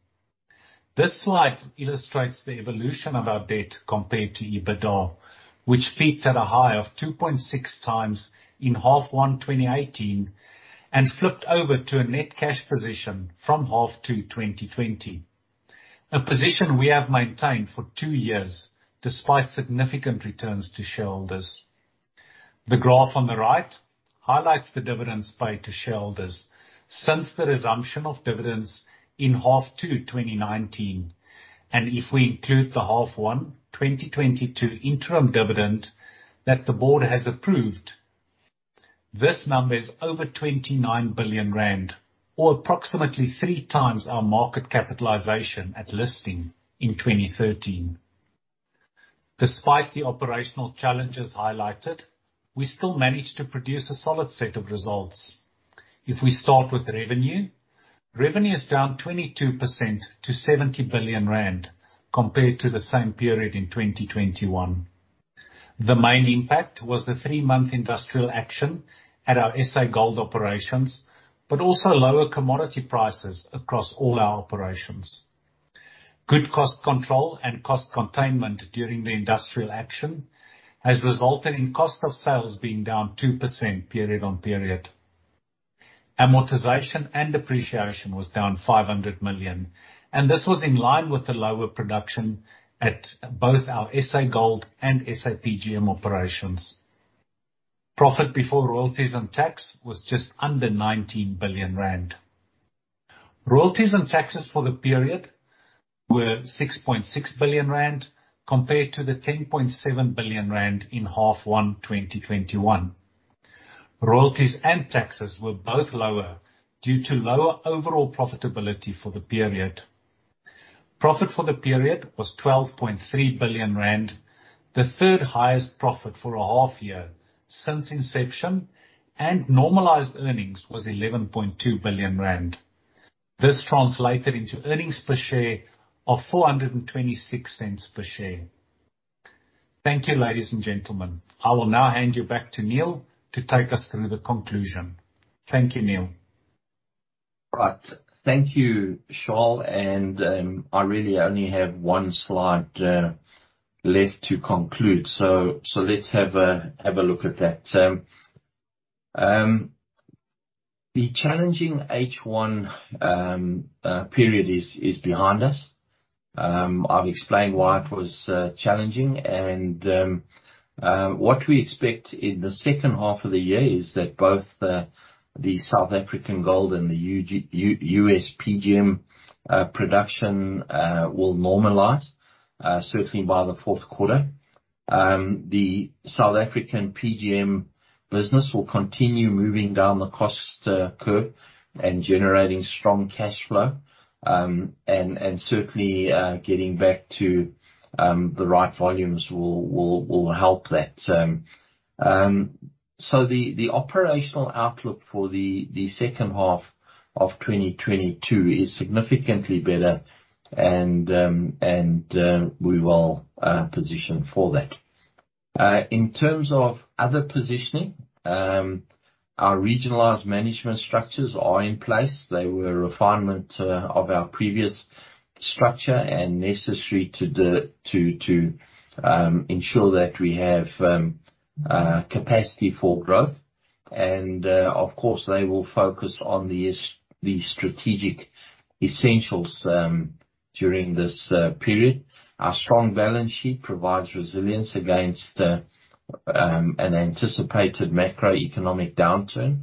This slide illustrates the evolution of our debt compared to EBITDA, which peaked at a high of 2.6x in H1 2018 and flipped over to a net cash position from H2 2020, a position we have maintained for two years despite significant returns to shareholders. The graph on the right highlights the dividends paid to shareholders since the resumption of dividends in H2 2019. If we include the H1 2022 interim dividend that the board has approved, this number is over 29 billion rand or approximately three times our market capitalization at listing in 2013. Despite the operational challenges highlighted, we still managed to produce a solid set of results. If we start with revenue is down 22% to 70 billion rand compared to the same period in 2021. The main impact was the three-month industrial action at our SA Gold operations but also lower commodity prices across all our operations. Good cost control and cost containment during the industrial action has resulted in cost of sales being down 2% period on period. Amortization and depreciation was down 500 million and this was in line with the lower production at both our SA Gold and SAPGM operations. Profit before royalties and tax was just under 19 billion rand. Royalties and taxes for the period were 6.6 billion rand compared to 10.7 billion rand in half one, 2021. Royalties and taxes were both lower due to lower overall profitability for the period. Profit for the period was 12.3 billion rand, the third highest profit for a half year since inception and normalized earnings was 11.2 billion rand. This translated into earnings per share of 4.26 per share. Thank you, ladies and gentlemen. I will now hand you back to Neal to take us through the conclusion. Thank you, Neal. Right. Thank you, Charles. I really only have one slide left to conclude. Let's have a look at that. The challenging H1 period is behind us. I've explained why it was challenging and what we expect in the second half of the year is that both the South African gold and the U.S. PGM production will normalize certainly by the fourth quarter. The South African PGM business will continue moving down the cost curve and generating strong cash flow. Certainly, getting back to the right volumes will help that. The operational outlook for the second half of 2022 is significantly better and we will position for that. In terms of other positioning, our regionalized management structures are in place. They were a refinement of our previous structure and necessary to ensure that we have capacity for growth. Of course, they will focus on the strategic essentials during this period. Our strong balance sheet provides resilience against an anticipated macroeconomic downturn.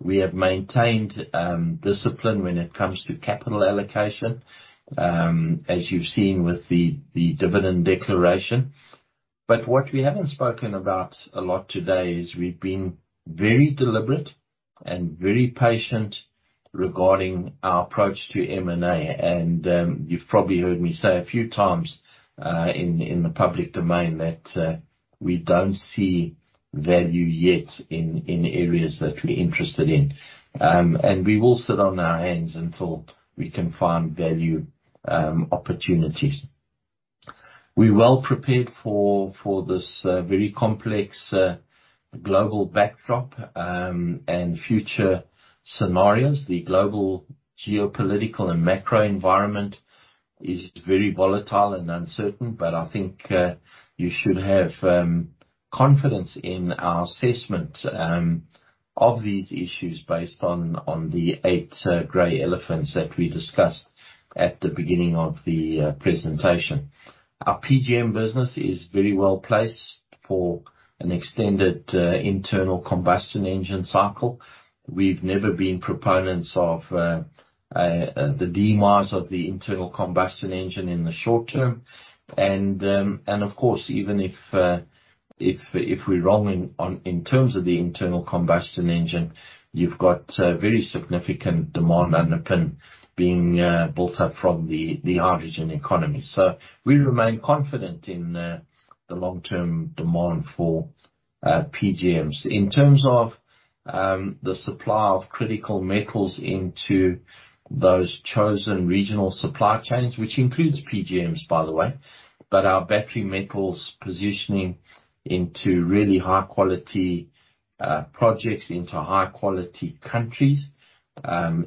We have maintained discipline when it comes to capital allocation, as you've seen with the dividend declaration. What we haven't spoken about a lot today is we've been very deliberate and very patient regarding our approach to M&A. You've probably heard me say a few times in the public domain that we don't see value yet in areas that we're interested in. We will sit on our hands until we can find value opportunities. We're well prepared for this very complex global backdrop and future scenarios. The global geopolitical and macro environment is very volatile and uncertain but I think you should have confidence in our assessment of these issues based on the eight grey elephants that we discussed at the beginning of the presentation. Our PGM business is very well placed for an extended internal combustion engine cycle. We've never been proponents of the demise of the internal combustion engine in the short term. Of course, even if we're wrong in terms of the internal combustion engine, you've got very significant demand underpinning being built up from the hydrogen economy. We remain confident in the long-term demand for PGMs. In terms of the supply of critical metals into those chosen regional supply chains, which includes PGMs, by the way but our battery metals positioning into really high-quality projects, into high-quality countries,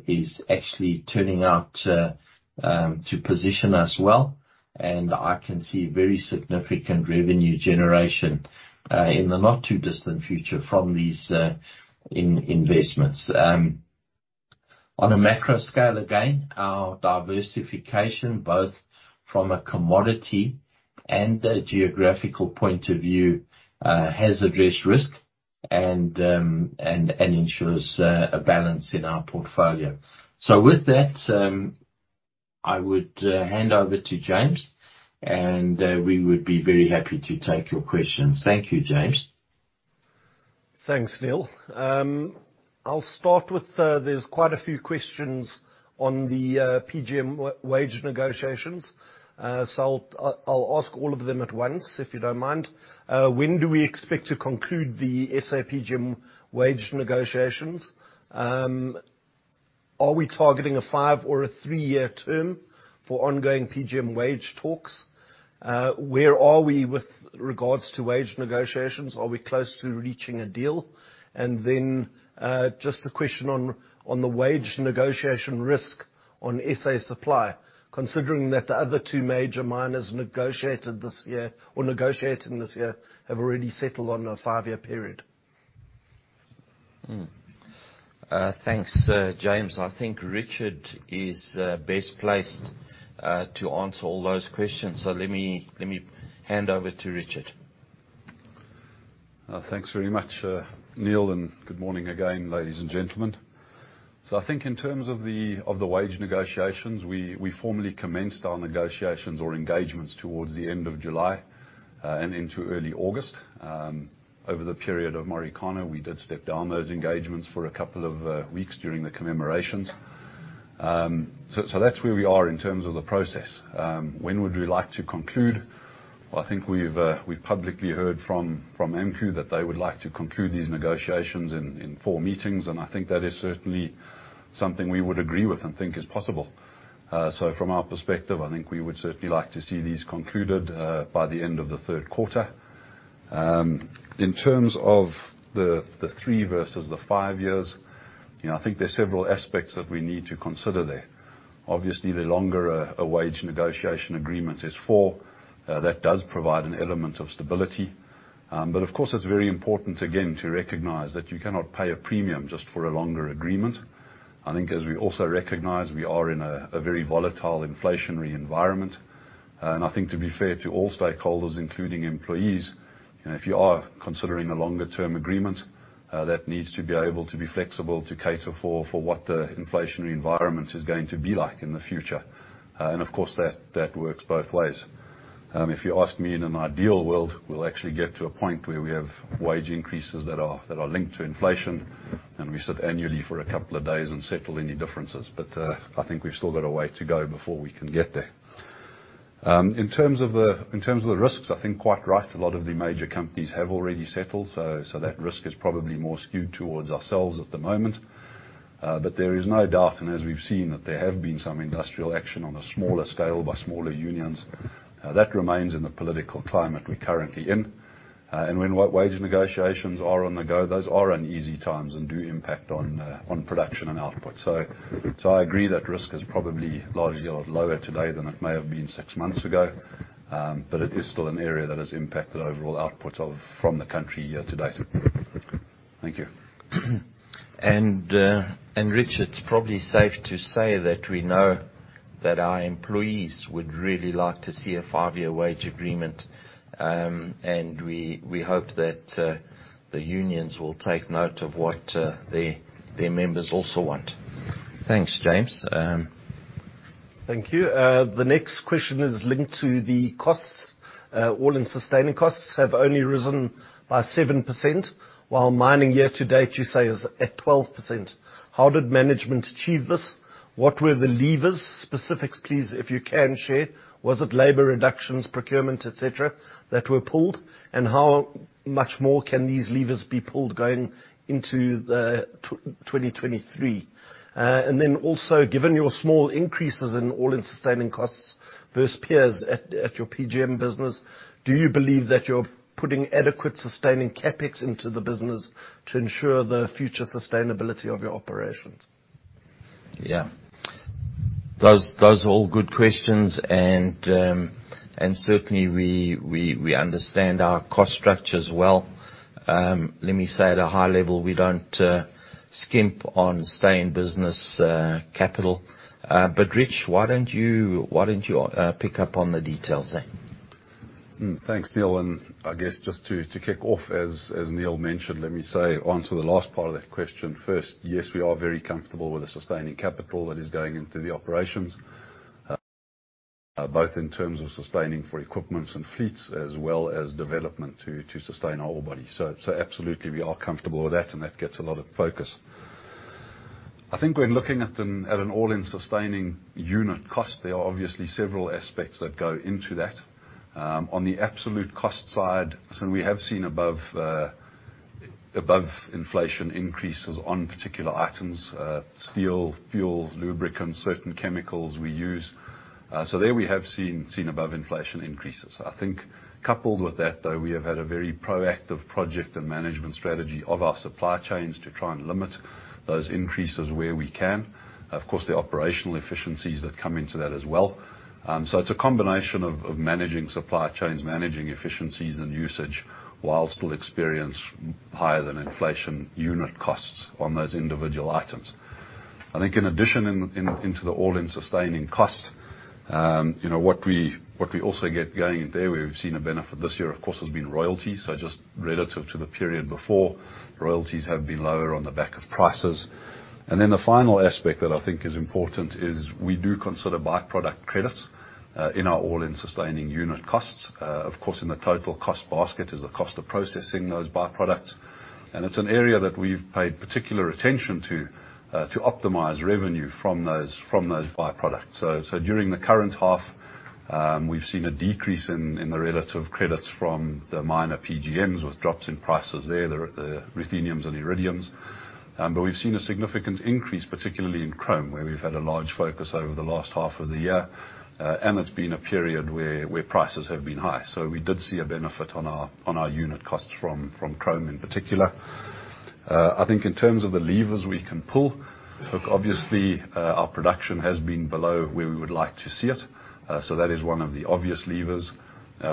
is actually turning out to position us well. I can see very significant revenue generation in the not too distant future from these investments. On a macro scale, again, our diversification, both from a commodity and a geographical point of view, has addressed risk and ensures a balance in our portfolio. With that, I would hand over to James and we would be very happy to take your questions. Thank you, James. Thanks, Neal. I'll start with, there's quite a few questions on the PGM wage negotiations. I'll ask all of them at once if you don't mind. When do we expect to conclude the SAPGM wage negotiations? Are we targeting a five or a three-year term for ongoing PGM wage talks? Where are we with regards to wage negotiations? Are we close to reaching a deal? Just a question on the wage negotiation risk on SA supply, considering that the other two major miners negotiated this year or negotiating this year have already settled on a five-year period. Thanks, James. I think Richard is best placed to answer all those questions. Let me hand over to Richard. Thanks very much, Neal and good morning again, ladies and gentlemen. I think in terms of the wage negotiations, we formally commenced our negotiations or engagements towards the end of July and into early August. Over the period of Marikana, we did step down those engagements for a couple of weeks during the commemorations. That's where we are in terms of the process. When would we like to conclude? Well, I think we've publicly heard from AMCU that they would like to conclude these negotiations in four meetings and I think that is certainly something we would agree with and think is possible. From our perspective, I think we would certainly like to see these concluded by the end of the third quarter. In terms of the three versus the five years, you know, I think there's several aspects that we need to consider there. Obviously, the longer a wage negotiation agreement is for, that does provide an element of stability. Of course, it's very important, again, to recognize that you cannot pay a premium just for a longer agreement. I think as we also recognize, we are in a very volatile inflationary environment. I think to be fair to all stakeholders, including employees, you know, if you are considering a longer term agreement, that needs to be able to be flexible to cater for what the inflationary environment is going to be like in the future. Of course, that works both ways. If you ask me, in an ideal world, we'll actually get to a point where we have wage increases that are linked to inflation and we sit annually for a couple of days and settle any differences. I think we've still got a way to go before we can get there. In terms of the risks, I think quite right, a lot of the major companies have already settled, so that risk is probably more skewed towards ourselves at the moment. There is no doubt and as we've seen, that there have been some industrial action on a smaller scale by smaller unions. That remains in the political climate we're currently in. When wage negotiations are on the go, those are uneasy times and do impact on production and output. I agree that risk is probably largely a lot lower today than it may have been six months ago but it is still an area that has impacted overall output from the country year-to-date. Thank you. Richard, it's probably safe to say that we know that our employees would really like to see a five-year wage agreement and we hope that the unions will take note of what their members also want. Thanks, James. Thank you. The next question is linked to the costs. All-in sustaining costs have only risen by 7%, while mining year-to-date you say is at 12%. How did management achieve this? What were the levers? Specifics, please, if you can share. Was it labor reductions, procurement, et cetera, that were pulled? How much more can these levers be pulled going into the 2023? And then also, given your small increases in all-in sustaining costs versus peers at your PGM business, do you believe that you're putting adequate sustaining CapEx into the business to ensure the future sustainability of your operations? Yeah. Those are all good questions and certainly we understand our cost structure as well. Let me say at a high level, we don't skimp on stay-in-business capital. Richard, why don't you pick up on the details there? Thanks, Neal. I guess just to kick off, as Neal mentioned, let me say onto the last part of that question first. Yes, we are very comfortable with the sustaining capital that is going into the operations, both in terms of sustaining for equipment and fleets as well as development to sustain our ore body. So absolutely, we are comfortable with that and that gets a lot of focus. I think when looking at an all-in sustaining unit cost, there are obviously several aspects that go into that. On the absolute cost side, we have seen above inflation increases on particular items, steel, fuels, lubricants, certain chemicals we use. So there we have seen above inflation increases. I think coupled with that, though, we have had a very proactive project and management strategy of our supply chains to try and limit those increases where we can. Of course, there are operational efficiencies that come into that as well. It's a combination of managing supply chains, managing efficiencies and usage, while still experience higher than inflation unit costs on those individual items. I think in addition into the all-in sustaining costs, you know, what we also get going in there, we've seen a benefit this year, of course, has been royalties. Just relative to the period before, royalties have been lower on the back of prices. Then the final aspect that I think is important is we do consider by-product credits in our all-in sustaining unit costs. Of course, in the total cost basket is the cost of processing those by-products. It's an area that we've paid particular attention to optimize revenue from those by-products. During the current half, we've seen a decrease in the relative credits from the minor PGMs, with drops in prices there, the ruthenium and iridium. We've seen a significant increase, particularly in chrome, where we've had a large focus over the last half of the year. It's been a period where prices have been high. We did see a benefit on our unit costs from chrome in particular. I think in terms of the levers we can pull, look, obviously, our production has been below where we would like to see it. That is one of the obvious levers.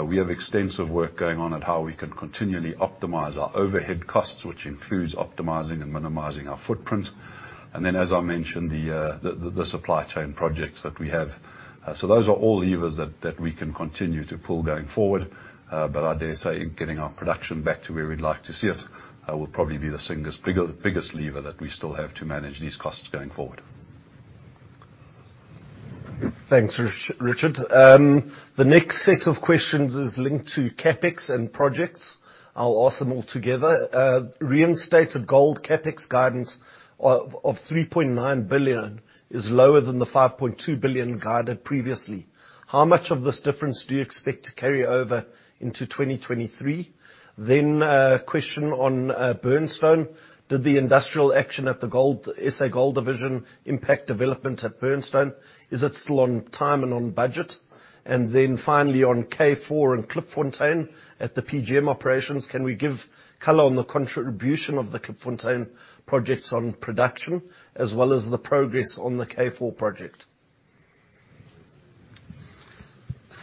We have extensive work going on at how we can continually optimize our overhead costs, which includes optimizing and minimizing our footprint. Then as I mentioned, the supply chain projects that we have. Those are all levers that we can continue to pull going forward. I dare say getting our production back to where we'd like to see it will probably be the single biggest lever that we still have to manage these costs going forward. Thanks, Richard. The next set of questions is linked to CapEx and projects. I'll ask them all together. Reinstated gold CapEx guidance of 3.9 billion is lower than the 5.2 billion guided previously. How much of this difference do you expect to carry over into 2023? Question on Burnstone. Did the industrial action at the gold SA Gold division impact development at Burnstone? Is it still on time and on budget? Finally, on K4 and Klipfontein, at the PGM operations, can we give color on the contribution of the Klipfontein projects on production, as well as the progress on the K4 project?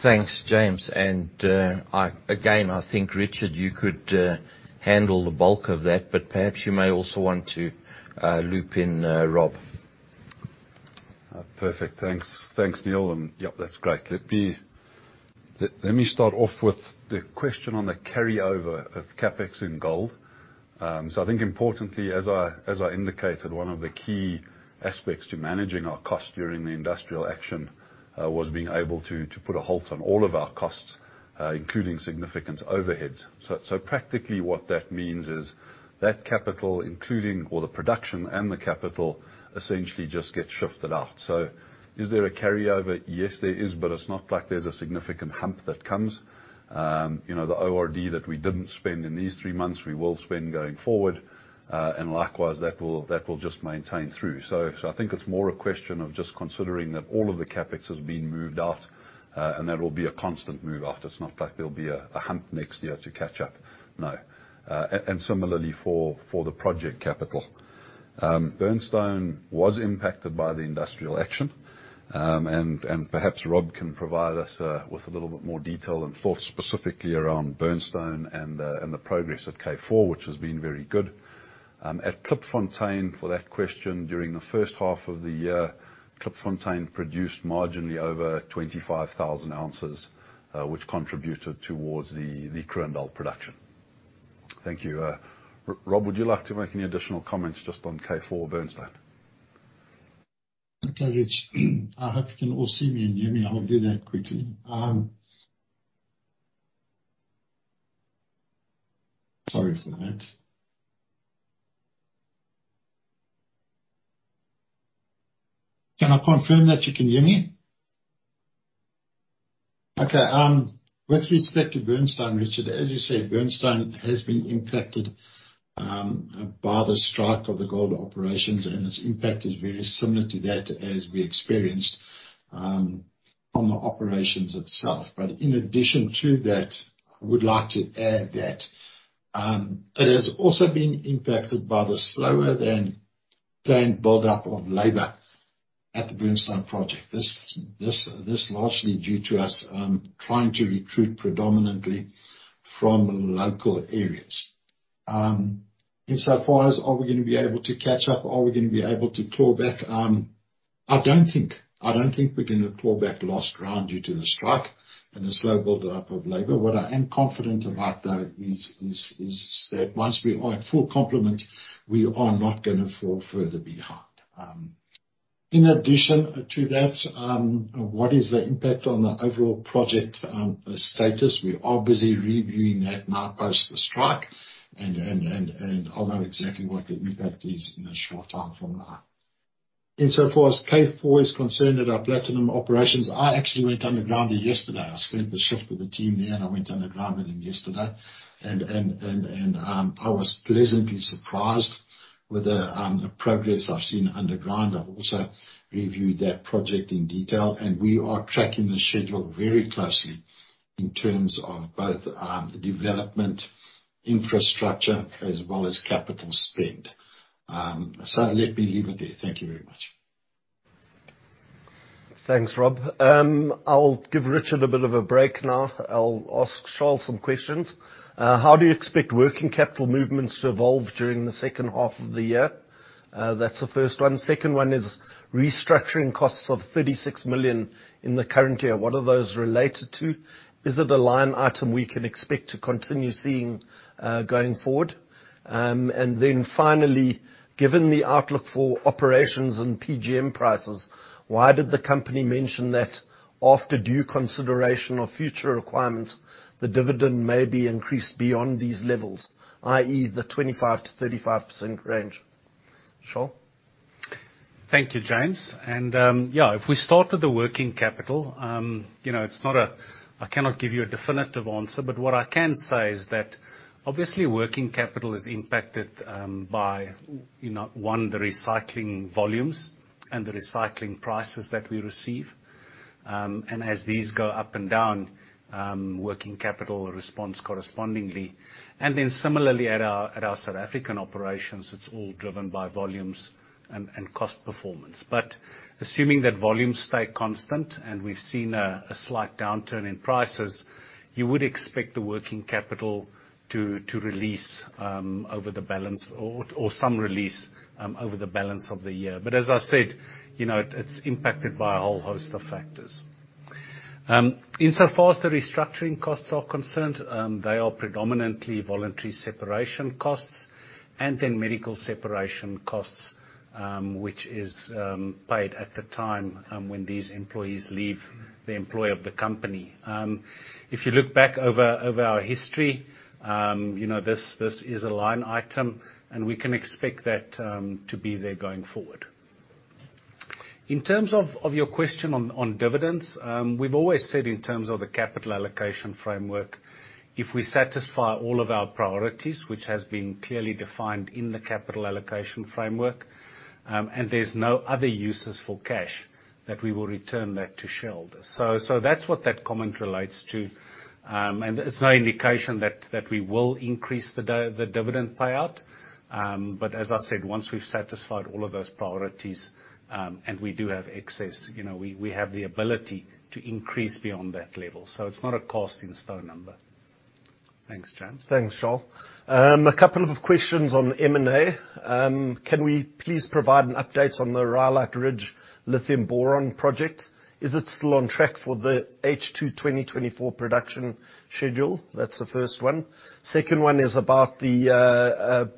Thanks, James. Again, I think, Richard, you could handle the bulk of that but perhaps you may also want to loop in Rob. Perfect. Thanks. Thanks, Neal. Yep, that's great. Let me start off with the question on the carryover of CapEx in gold. I think importantly, as I indicated, one of the key aspects to managing our cost during the industrial action was being able to put a halt on all of our costs, including significant overheads. Practically, what that means is that capital, including all the production and the capital, essentially just gets shifted out. Is there a carryover? Yes, there is but it's not like there's a significant hump that comes. You know, the ORD that we didn't spend in these three months, we will spend going forward. Likewise, that will just maintain through. I think it's more a question of just considering that all of the CapEx has been moved out and that will be a constant move out. It's not like there'll be a hump next year to catch up. No. Similarly for the project capital. Burnstone was impacted by the industrial action. Perhaps Rob can provide us with a little bit more detail and thought specifically around Burnstone and the progress at K4, which has been very good. At Klipfontein, for that question, during the first half of the year, Klipfontein produced marginally over 25,000 ounces, which contributed towards the current gold production. Thank you. Rob, would you like to make any additional comments just on K4 Burnstone? Okay, Richard. I hope you can all see me and hear me. I'll do that quickly. Sorry for that. Can I confirm that you can hear me? Okay. With respect to Burnstone, Richard, as you say, Burnstone has been impacted by the strike of the gold operations and its impact is very similar to that as we experienced on the operations itself. In addition to that, I would like to add that it has also been impacted by the slower-than-planned buildup of labor at the Burnstone project. This largely due to us trying to recruit predominantly from local areas. Insofar as are we gonna be able to catch up, are we gonna be able to claw back, I don't think we're gonna claw back lost ground due to the strike and the slow buildup of labor. What I am confident about, though, is that once we are at full complement, we are not gonna fall further behind. In addition to that, what is the impact on the overall project status? We are busy reviewing that now post the strike and I'll know exactly what the impact is in a short time from now. Insofar as K4 is concerned at our platinum operations, I actually went underground there yesterday. I spent the shift with the team there and I went underground with them yesterday and, I was pleasantly surprised with the progress I've seen underground. I've also reviewed that project in detail and we are tracking the schedule very closely in terms of both, the development infrastructure as well as capital spend. So let me leave it there. Thank you very much. Thanks, Rob. I'll give Richard a bit of a break now. I'll ask Charles some questions. How do you expect working capital movements to evolve during the second half of the year? That's the first one. Second one is restructuring costs of 36 million in the current year. What are those related to? Is it a line item we can expect to continue seeing, going forward? And then finally, given the outlook for operations and PGM prices, why did the company mention that after due consideration of future requirements, the dividend may be increased beyond these levels, i.e., the 25%-35% range? Charles? Thank you, James. Yeah, if we start with the working capital, you know, I cannot give you a definitive answer but what I can say is that obviously, working capital is impacted by, you know, one, the recycling volumes and the recycling prices that we receive. As these go up and down, working capital responds correspondingly. Similarly at our South African operations, it's all driven by volumes and cost performance. Assuming that volumes stay constant and we've seen a slight downturn in prices, you would expect the working capital to release over the balance or some release over the balance of the year. As I said, you know, it's impacted by a whole host of factors. Insofar as the restructuring costs are concerned, they are predominantly voluntary separation costs and then medical separation costs, which is paid at the time when these employees leave the employ of the company. If you look back over our history, you know, this is a line item and we can expect that to be there going forward. In terms of your question on dividends, we've always said in terms of the capital allocation framework, if we satisfy all of our priorities, which has been clearly defined in the capital allocation framework and there's no other uses for cash, that we will return that to shareholders. That's what that comment relates to. There's no indication that we will increase the dividend payout. As I said, once we've satisfied all of those priorities and we do have excess, you know, we have the ability to increase beyond that level. It's not a cast in stone number. Thanks, James. Thanks, Charles. A couple of questions on M&A. Can we please provide an update on the Rhyolite Ridge Lithium-Boron project? Is it still on track for the H2 2024 production schedule? That's the first one. Second one is about the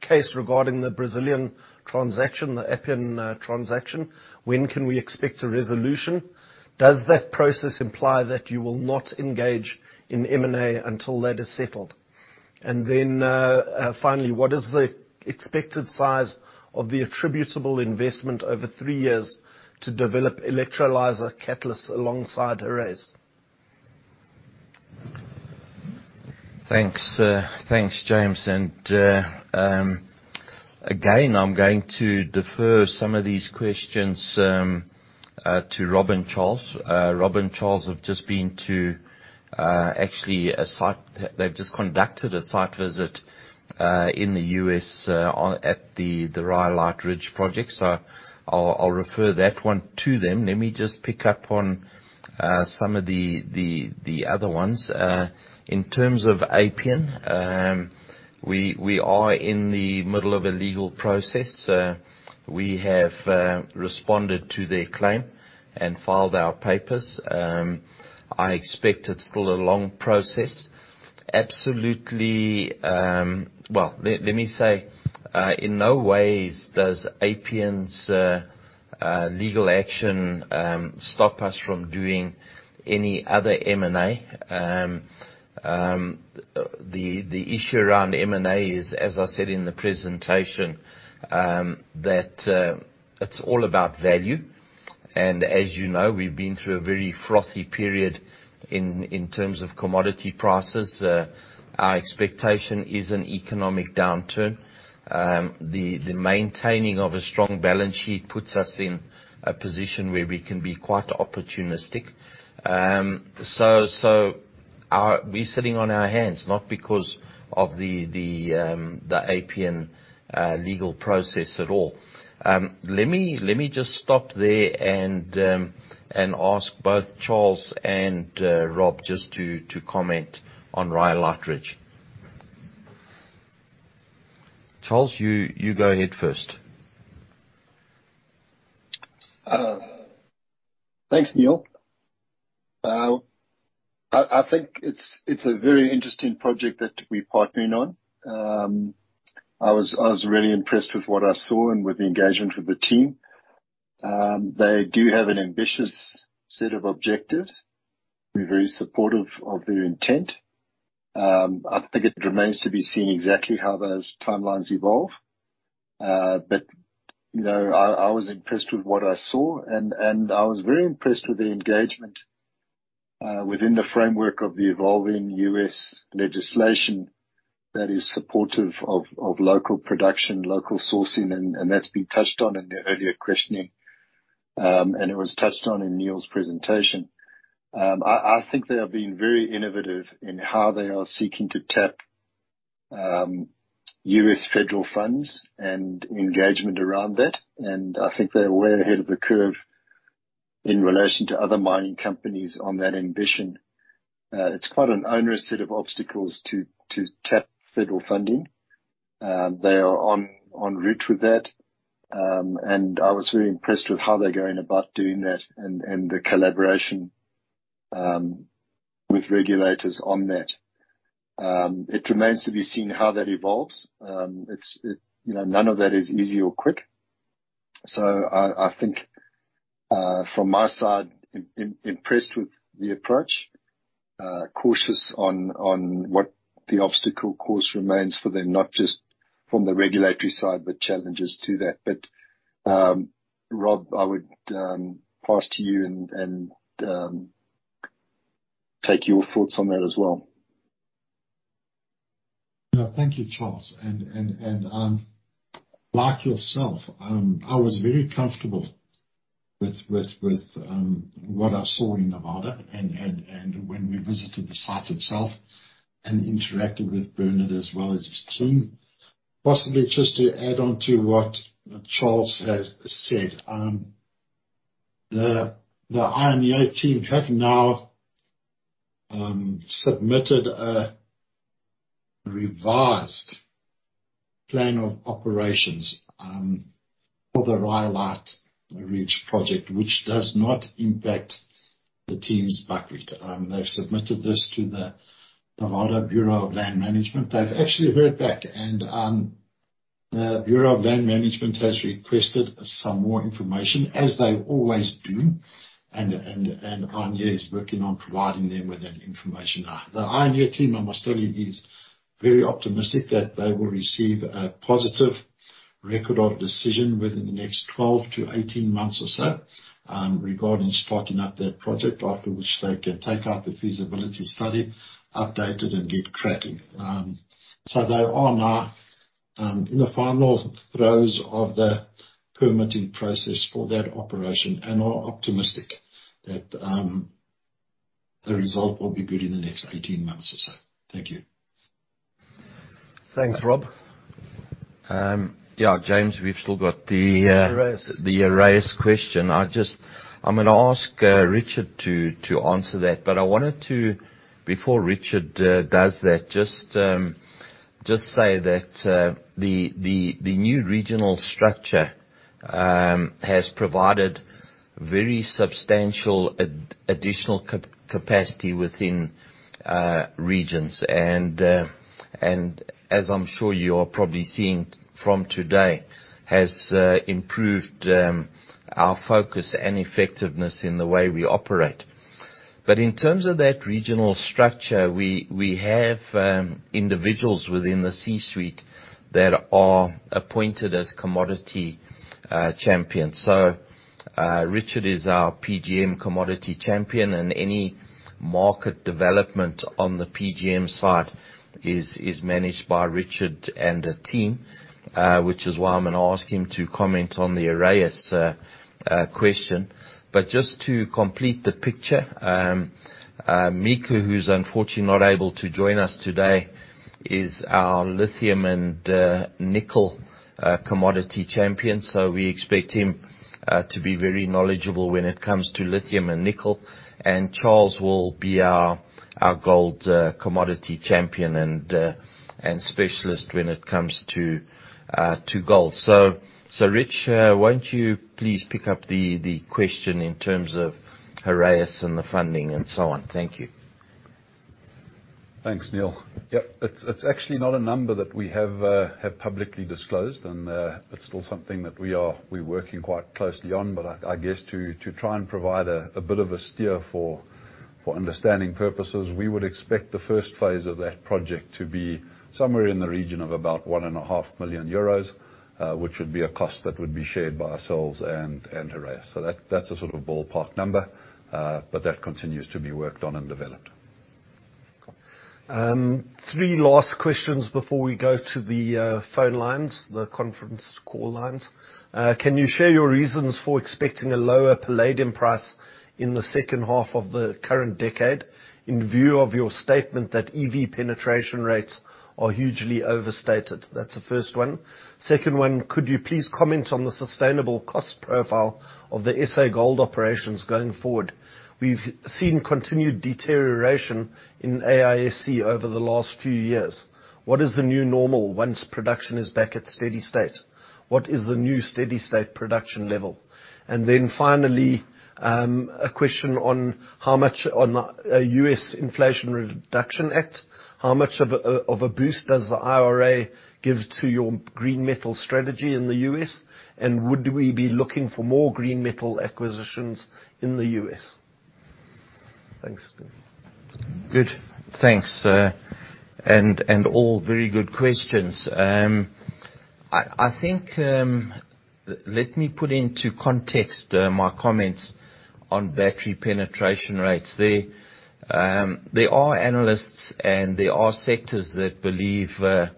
case regarding the Brazilian transaction, the Appian transaction. When can we expect a resolution? Does that process imply that you will not engage in M&A until that is settled? Finally, what is the expected size of the attributable investment over three years to develop electrolyzer catalysts alongside Heraeus? Thanks, sir. Thanks, James. Again, I'm going to defer some of these questions to Rob and Charles. Rob and Charles have just conducted a site visit in the U.S. at the Rhyolite Ridge project. I'll refer that one to them. Let me just pick up on some of the other ones. In terms of Appian, we are in the middle of a legal process. We have responded to their claim and filed our papers. I expect it's still a long process. Let me say, in no ways does Appian's legal action stop us from doing any other M&A. The issue around M&A is, as I said in the presentation, that it's all about value. As you know, we've been through a very frothy period in terms of commodity prices. Our expectation is an economic downturn. The maintaining of a strong balance sheet puts us in a position where we can be quite opportunistic. Are we sitting on our hands? Not because of the Appian legal process at all. Let me just stop there and ask both Charles and Rob just to comment on Rhyolite Ridge. Charles, you go ahead first. Thanks, Neal. I think it's a very interesting project that we're partnering on. I was really impressed with what I saw and with the engagement with the team. They do have an ambitious set of objectives. We're very supportive of their intent. I think it remains to be seen exactly how those timelines evolve. You know, I was impressed with what I saw and I was very impressed with the engagement within the framework of the evolving U.S. legislation that is supportive of local production, local sourcing and that's been touched on in the earlier questioning and it was touched on in Neal's presentation. I think they are being very innovative in how they are seeking to tap U.S. federal funds and engagement around that. I think they're way ahead of the curve in relation to other mining companies on that ambition. It's quite an onerous set of obstacles to tap federal funding. They are en route with that. I was very impressed with how they're going about doing that and the collaboration with regulators on that. It remains to be seen how that evolves. It's you know, none of that is easy or quick. I think from my side, impressed with the approach, cautious on what the obstacle course remains for them, not just from the regulatory side but challenges to that. Rob, I would pass to you and take your thoughts on that as well. Thank you, Charles. Like yourself, I was very comfortable with what I saw in Nevada and when we visited the site itself and interacted with Bernard as well as his team. Possibly just to add on to what Charles has said, the Ioneer team have now submitted a revised plan of operations for the Rhyolite Ridge project, which does not impact the Tiehm's buckwheat. They've submitted this to the Bureau of Land Management Nevada. They've actually heard back and the Bureau of Land Management has requested some more information, as they always do. Ioneer is working on providing them with that information. The Ioneer team, I must tell you, is very optimistic that they will receive a positive Record of Decision within the next 12-18 months or so, regarding starting up that project. After which they can take out the feasibility study, update it and get cracking. They are now in the final throes of the permitting process for that operation and are optimistic that the result will be good in the next 18 months or so. Thank you. Thanks, Rob. Yeah, James, we've still got the Heraeus question. I'm gonna ask Richard to answer that but I wanted to, before Richard does that, just say that the new regional structure has provided very substantial additional capacity within regions. And as I'm sure you are probably seeing from today, has improved our focus and effectiveness in the way we operate. In terms of that regional structure, we have individuals within the C-suite that are appointed as commodity champions. Richard is our PGM commodity champion and any market development on the PGM side is managed by Richard and the team, which is why I'm gonna ask him to comment on the Heraeus Heraeusquestion. Just to complete the picture, Miku, who's unfortunately not able to join us today, is our lithium and nickel commodity champion. We expect him to be very knowledgeable when it comes to lithium and nickel. Charles will be our gold commodity champion and specialist when it comes to gold. Rich, why don't you please pick up the question in terms of Heraeus and the funding and so on. Thank you. Thanks, Neal. Yep. It's actually not a number that we have publicly disclosed and it's still something that we're working quite closely on. I guess to try and provide a bit of a steer for understanding purposes, we would expect the first phase of that project to be somewhere in the region of about 1.5 million euros, which would be a cost that would be shared by ourselves and Heraeus. That's a sort of ballpark number but that continues to be worked on and developed. Three last questions before we go to the phone lines, the conference call lines. Can you share your reasons for expecting a lower palladium price in the second half of the current decade in view of your statement that EV penetration rates are hugely overstated? That's the first one. Second one, could you please comment on the sustainable cost profile of the SA Gold operations going forward? We've seen continued deterioration in AISC over the last few years. What is the new normal once production is back at steady state? What is the new steady-state production level? And then finally, a question on the U.S. Inflation Reduction Act. How much of a boost does the IRA give to your green metal strategy in the U.S. and would we be looking for more green metal acquisitions in the U.S.? Thanks. Good. Thanks. All very good questions. I think, let me put into context my comments on battery penetration rates. There are analysts and there are sectors that believe the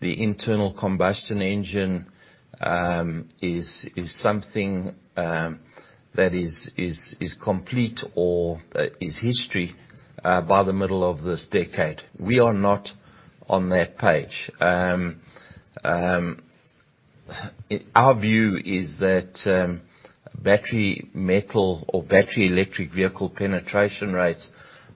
internal combustion engine is something that is complete or is history by the middle of this decade. We are not on that page. Our view is that battery metal or battery electric vehicle penetration rates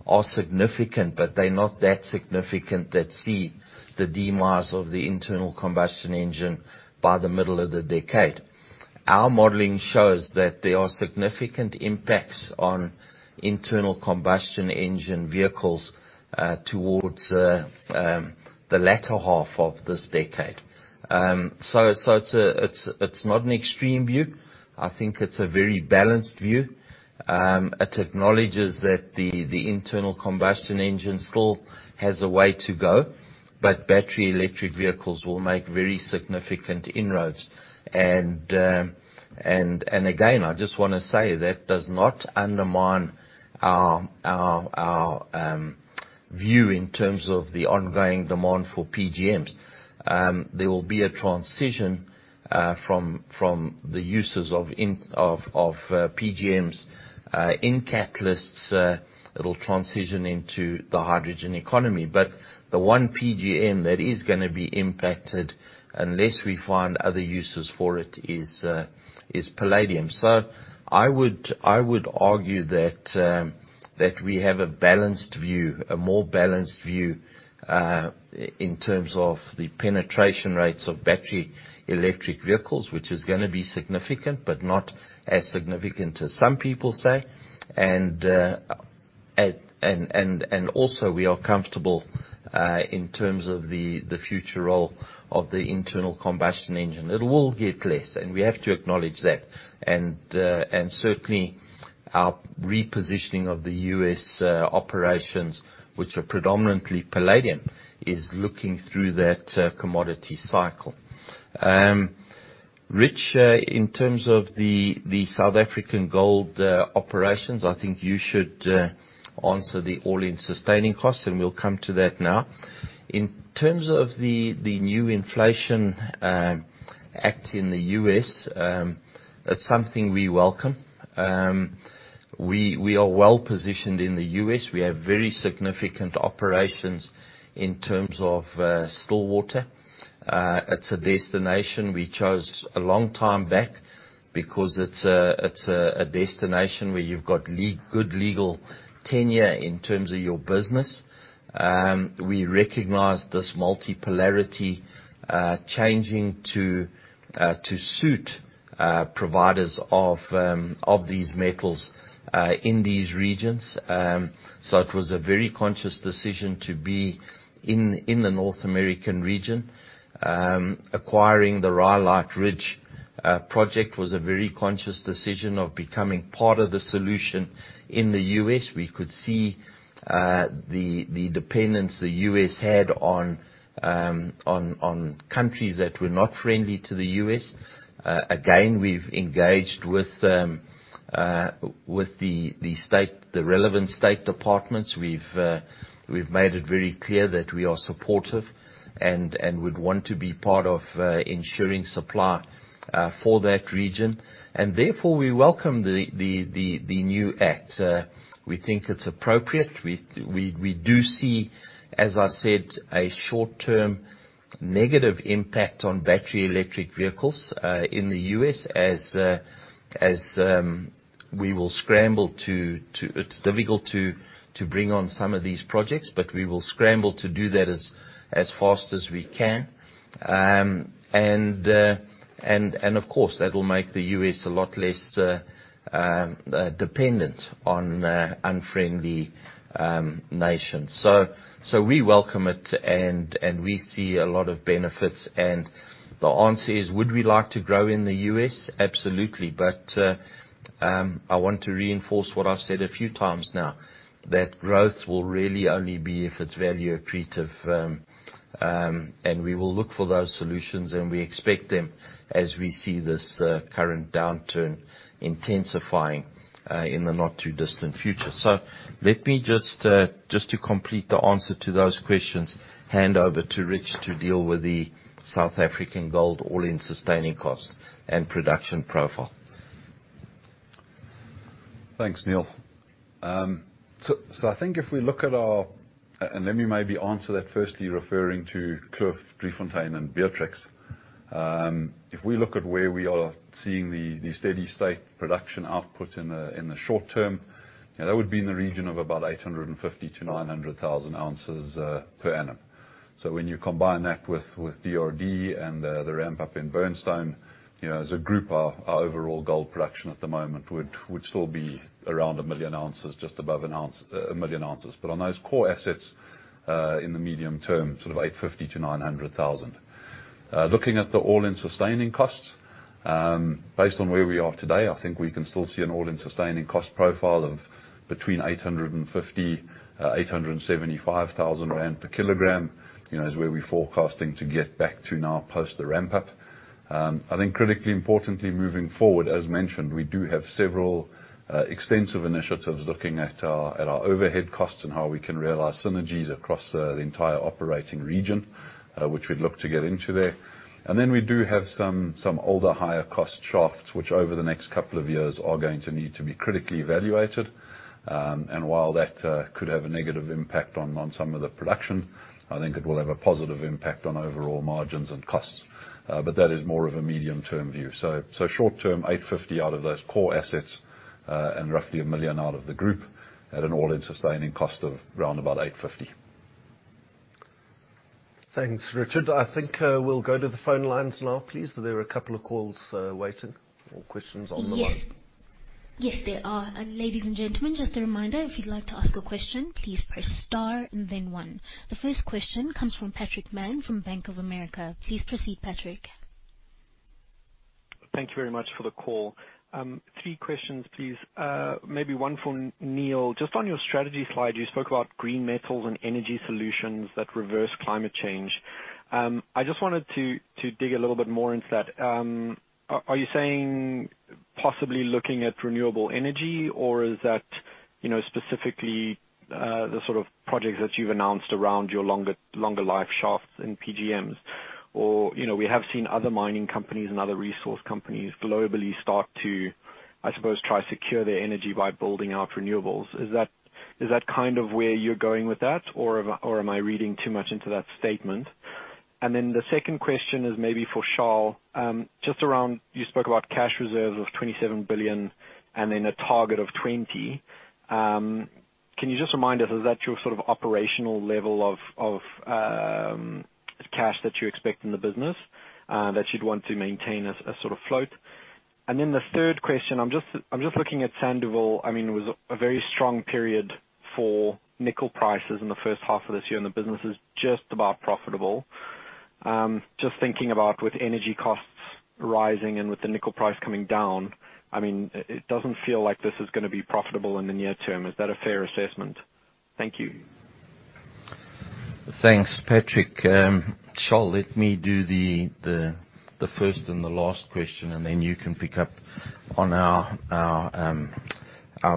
are significant but they're not that significant that see the demise of the internal combustion engine by the middle of the decade. Our modeling shows that there are significant impacts on internal combustion engine vehicles, towards the latter half of this decade. It's not an extreme view. I think it's a very balanced view. It acknowledges that the internal combustion engine still has a way to go but battery electric vehicles will make very significant inroads. Again, I just wanna say that does not undermine our view in terms of the ongoing demand for PGMs. There will be a transition from the uses of PGMs in catalysts. It'll transition into the hydrogen economy. The one PGM that is gonna be impacted, unless we find other uses for it, is palladium. I would argue that we have a balanced view, a more balanced view, in terms of the penetration rates of battery electric vehicles, which is gonna be significant but not as significant as some people say. We are comfortable in terms of the future role of the internal combustion engine. It will get less and we have to acknowledge that. Certainly our repositioning of the U.S. operations, which are predominantly palladium, is looking through that commodity cycle. Rich, in terms of the South African gold operations, I think you should answer the all-in sustaining costs and we'll come to that now. In terms of the Inflation Reduction Act in the U.S., that's something we welcome. We are well-positioned in the U.S. We have very significant operations in terms of Stillwater. It's a destination we chose a long time back because it's a destination where you've got good legal tenure in terms of your business. We recognize this multipolarity, changing to suit providers of these metals in these regions. So it was a very conscious decision to be in the North American region. Acquiring the Rhyolite Ridge project was a very conscious decision of becoming part of the solution in the U.S. We could see the dependence the U.S. had on countries that were not friendly to the U.S. Again, we've engaged with the state, the relevant state departments. We've made it very clear that we are supportive and would want to be part of ensuring supply for that region. Therefore, we welcome the new act. We think it's appropriate. We do see, as I said, a short-term negative impact on battery electric vehicles in the U.S. as we will scramble to. It's difficult to bring on some of these projects but we will scramble to do that as fast as we can. And of course that will make the U.S. a lot less dependent on unfriendly nations. We welcome it and we see a lot of benefits. The answer is, would we like to grow in the U.S.? Absolutely. I want to reinforce what I've said a few times now, that growth will really only be if it's value accretive. We will look for those solutions and we expect them as we see this current downturn intensifying in the not too distant future. Let me just to complete the answer to those questions, hand over to Rich to deal with the South African gold all-in sustaining costs and production profile. Thanks, Neal. So I think let me maybe answer that firstly referring to Kloof, Driefontein and Beatrix. If we look at where we are seeing the steady state production output in the short term, you know, that would be in the region of about 850,000-900,000 ounces per annum. When you combine that with DRD and the ramp up in Burnstone, you know, as a group our overall gold production at the moment would still be around 1 million ounces, just above a million ounces. On those core assets, in the medium term, sort of 850,000-900,000. Looking at the all-in sustaining costs, based on where we are today, I think we can still see an all-in sustaining cost profile of between 850 thousand and 875 thousand rand per kilogram, you know, is where we're forecasting to get back to now post the ramp up. I think critically importantly moving forward, as mentioned, we do have several extensive initiatives looking at our overhead costs and how we can realize synergies across the entire operating region, which we'd look to get into there. Then we do have some older higher cost shafts which over the next couple of years are going to need to be critically evaluated. While that could have a negative impact on some of the production, I think it will have a positive impact on overall margins and costs. That is more of a medium-term view. Short-term, 850 out of those core assets and roughly 1 million out of the group at an all-in sustaining cost of around about $850. Thanks, Richard. I think, we'll go to the phone lines now, please. There are a couple of calls, waiting or questions on the line. Yes. Yes, there are. Ladies and gentlemen, just a reminder, if you'd like to ask a question, please press star and then one. The first question comes from Patrick Mann from Bank of America. Please proceed, Patrick. Thank you very much for the call. Three questions, please. Maybe one for Neal. Just on your strategy slide, you spoke about green metals and energy solutions that reverse climate change. I just wanted to dig a little bit more into that. Are you saying possibly looking at renewable energy or is that, you know, specifically the sort of projects that you've announced around your longer life shafts in PGMs? Or, you know, we have seen other mining companies and other resource companies globally start to, I suppose, try to secure their energy by building out renewables. Is that kind of where you're going with that or am I reading too much into that statement? Then the second question is maybe for Charles, just around you spoke about cash reserves of 27 billion and then a target of 20 billion. Can you just remind us, is that your sort of operational level of cash that you expect in the business that you'd want to maintain as a sort of float? The third question, I'm just looking at Sandouville. I mean, it was a very strong period for nickel prices in the first half of this year and the business is just about profitable. Just thinking about with energy costs rising and with the nickel price coming down, I mean, it doesn't feel like this is gonna be profitable in the near term. Is that a fair assessment? Thank you. Thanks, Patrick. Charles, let me do the first and the last question and then you can pick up on our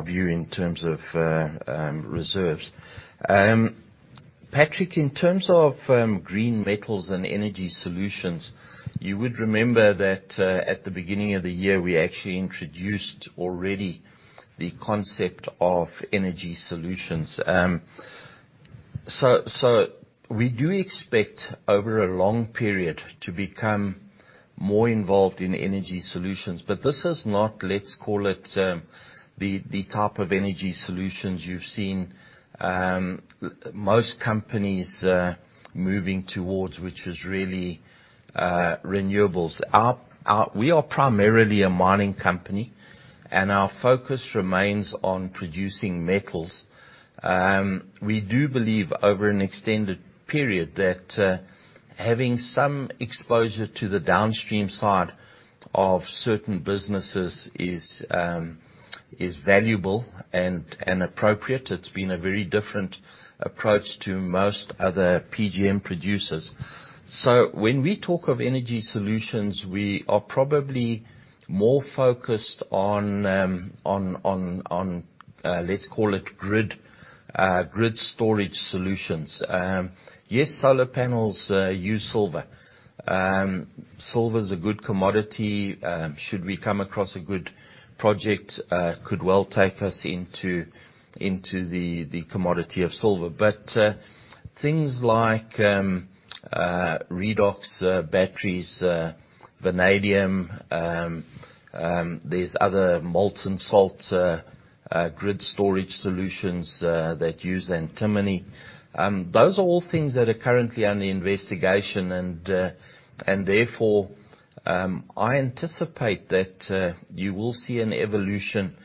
view in terms of reserves. Patrick, in terms of green metals and energy solutions, you would remember that at the beginning of the year, we actually introduced already the concept of energy solutions. So we do expect over a long period to become more involved in energy solutions but this is not, let's call it, the type of energy solutions you've seen most companies moving towards, which is really renewables. We are primarily a mining company and our focus remains on producing metals. We do believe over an extended period that having some exposure to the downstream side of certain businesses is valuable and appropriate. It's been a very different approach to most other PGM producers. When we talk of energy solutions, we are probably more focused on, let's call it grid storage solutions. Yes, solar panels use silver. Silver is a good commodity. Should we come across a good project, could well take us into the commodity of silver. Things like redox batteries, vanadium, there's other molten salt grid storage solutions that use antimony. Those are all things that are currently under investigation. Therefore, I anticipate that you will see an evolution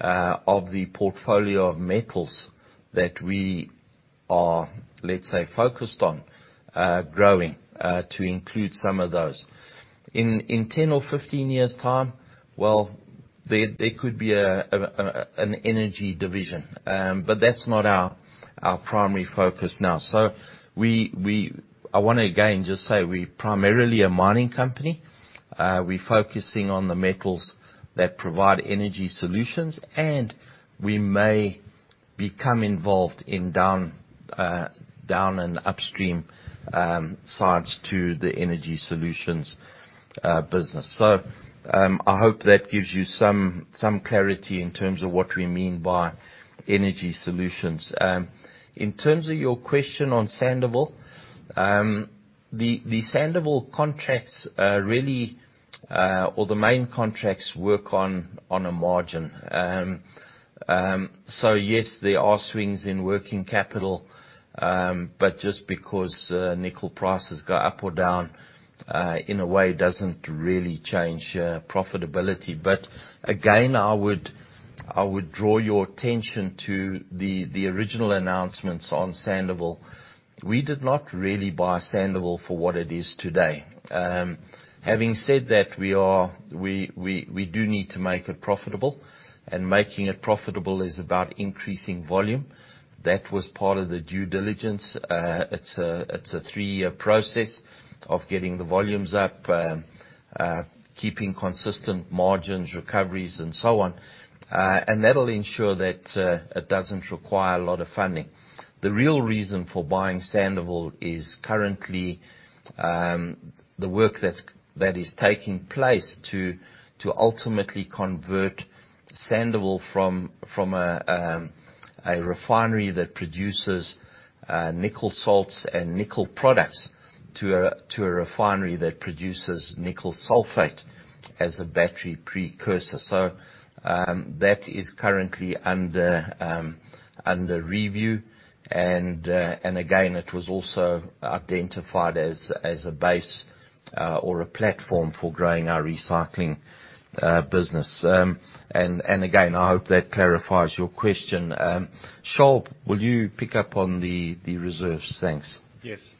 of the portfolio of metals that we are, let's say, focused on growing to include some of those. In 10 or 15 years' time, well, there could be an energy division. That's not our primary focus now. I wanna again just say we're primarily a mining company. We're focusing on the metals that provide energy solutions and we may become involved in down and upstream sides to the energy solutions business. I hope that gives you some clarity in terms of what we mean by energy solutions. In terms of your question on Sandouville, the Sandouville contracts really or the main contracts, work on a margin. So yes, there are swings in working capital but just because nickel prices go up or down in a way doesn't really change profitability. I would draw your attention to the original announcements on Sandouville. We did not really buy Sandouville for what it is today. Having said that, we do need to make it profitable and making it profitable is about increasing volume. That was part of the due diligence. It's a three-year process of getting the volumes up, keeping consistent margins, recoveries and so on. And that'll ensure that it doesn't require a lot of funding. The real reason for buying Sandouville is currently the work that is taking place to ultimately convert Sandouville from a refinery that produces nickel salts and nickel products to a refinery that produces nickel sulfate as a battery precursor. That is currently under review. Again, it was also identified as a base or a platform for growing our recycling business. I hope that clarifies your question. Charles, will you pick up on the reserves? Thanks. Yes.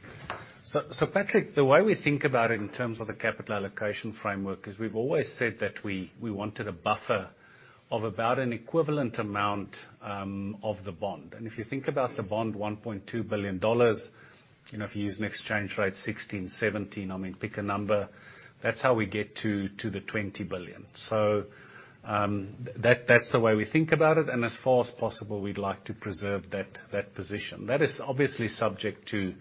Patrick, the way we think about it in terms of the capital allocation framework is we've always said that we wanted a buffer of about an equivalent amount of the bond. If you think about the bond, $1.2 billion, you know, if you use an exchange rate, 16-17, I mean, pick a number, that's how we get to the 20 billion. That's the way we think about it. As far as possible, we'd like to preserve that position. That is obviously subject to,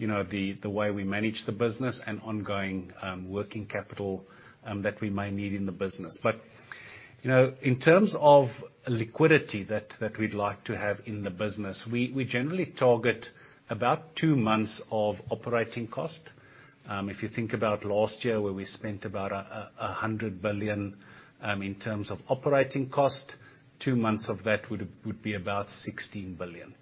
you know, the way we manage the business and ongoing working capital that we may need in the business. You know, in terms of liquidity that we'd like to have in the business, we generally target about two months of operating cost. If you think about last year, where we spent about 100 billion in terms of operating cost, two months of that would be about 16 billion.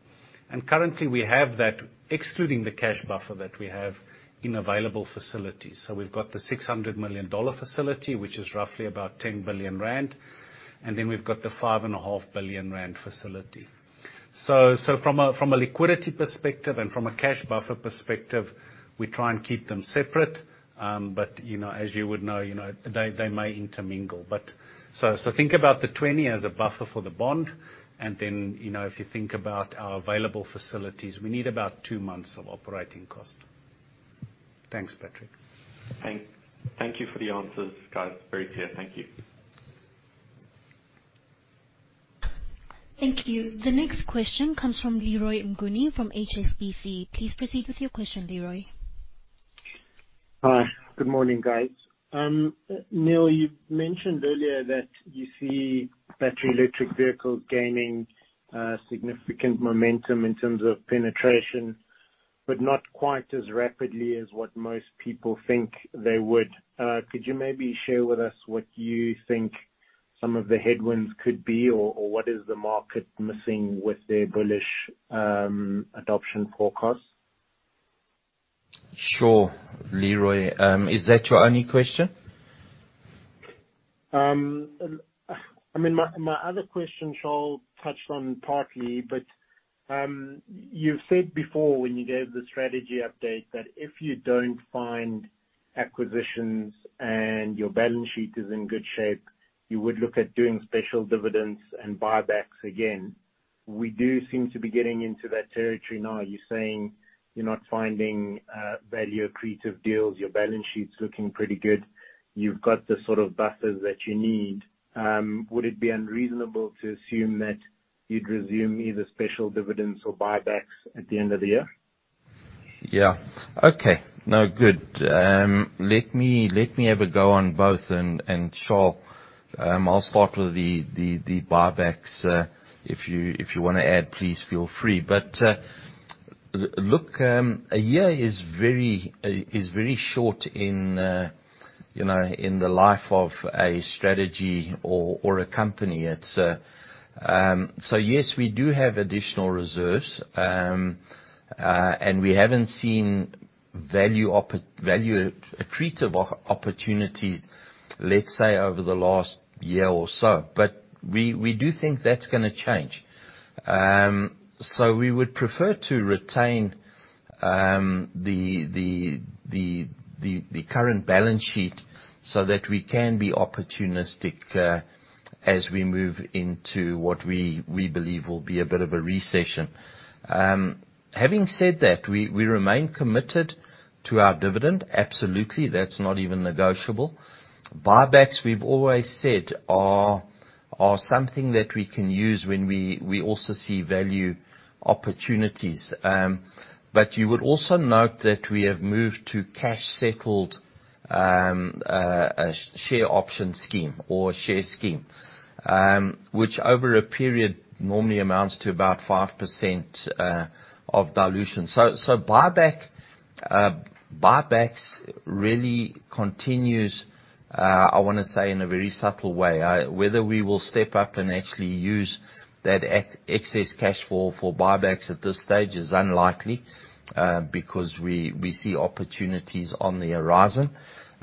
Currently we have that, excluding the cash buffer that we have in available facilities. We've got the $600 million facility, which is roughly about 10 billion rand and then we've got the 5.5 billion rand facility. From a liquidity perspective and from a cash buffer perspective, we try and keep them separate. But you know, as you would know, you know, they may intermingle. Think about the 20 as a buffer for the bond and then, you know, if you think about our available facilities, we need about two months of operating cost. Thanks, Patrick. Thank you for the answers, guys. Very clear. Thank you. Thank you. The next question comes from Leroy Mnguni from HSBC. Please proceed with your question, Leroy. Hi. Good morning, guys. Neal, you mentioned earlier that you see battery electric vehicle gaining significant momentum in terms of penetration but not quite as rapidly as what most people think they would. Could you maybe share with us what you think some of the headwinds could be or what is the market missing with their bullish adoption forecast? Sure, Leroy. Is that your only question? I mean, my other question Charles touched on partly but you've said before when you gave the strategy update that if you don't find acquisitions and your balance sheet is in good shape, you would look at doing special dividends and buybacks again. We do seem to be getting into that territory now. Are you saying you're not finding value accretive deals, your balance sheet's looking pretty good, you've got the sort of buffers that you need? Would it be unreasonable to assume that you'd resume either special dividends or buybacks at the end of the year? Yeah. Okay. No, good. Let me have a go on both and Charles, I'll start with the buybacks. If you wanna add, please feel free. Look, a year is very short, you know, in the life of a strategy or a company. It is. Yes, we do have additional reserves and we haven't seen value-accretive opportunities, let's say, over the last year or so. We do think that's gonna change. We would prefer to retain the current balance sheet so that we can be opportunistic as we move into what we believe will be a bit of a recession. Having said that, we remain committed to our dividend. Absolutely. That's not even negotiable. Buybacks, we've always said are something that we can use when we also see value opportunities. You would also note that we have moved to cash-settled share option scheme or share scheme, which over a period normally amounts to about 5% of dilution. Buybacks really continues, I wanna say, in a very subtle way. Whether we will step up and actually use that excess cash flow for buybacks at this stage is unlikely, because we see opportunities on the horizon.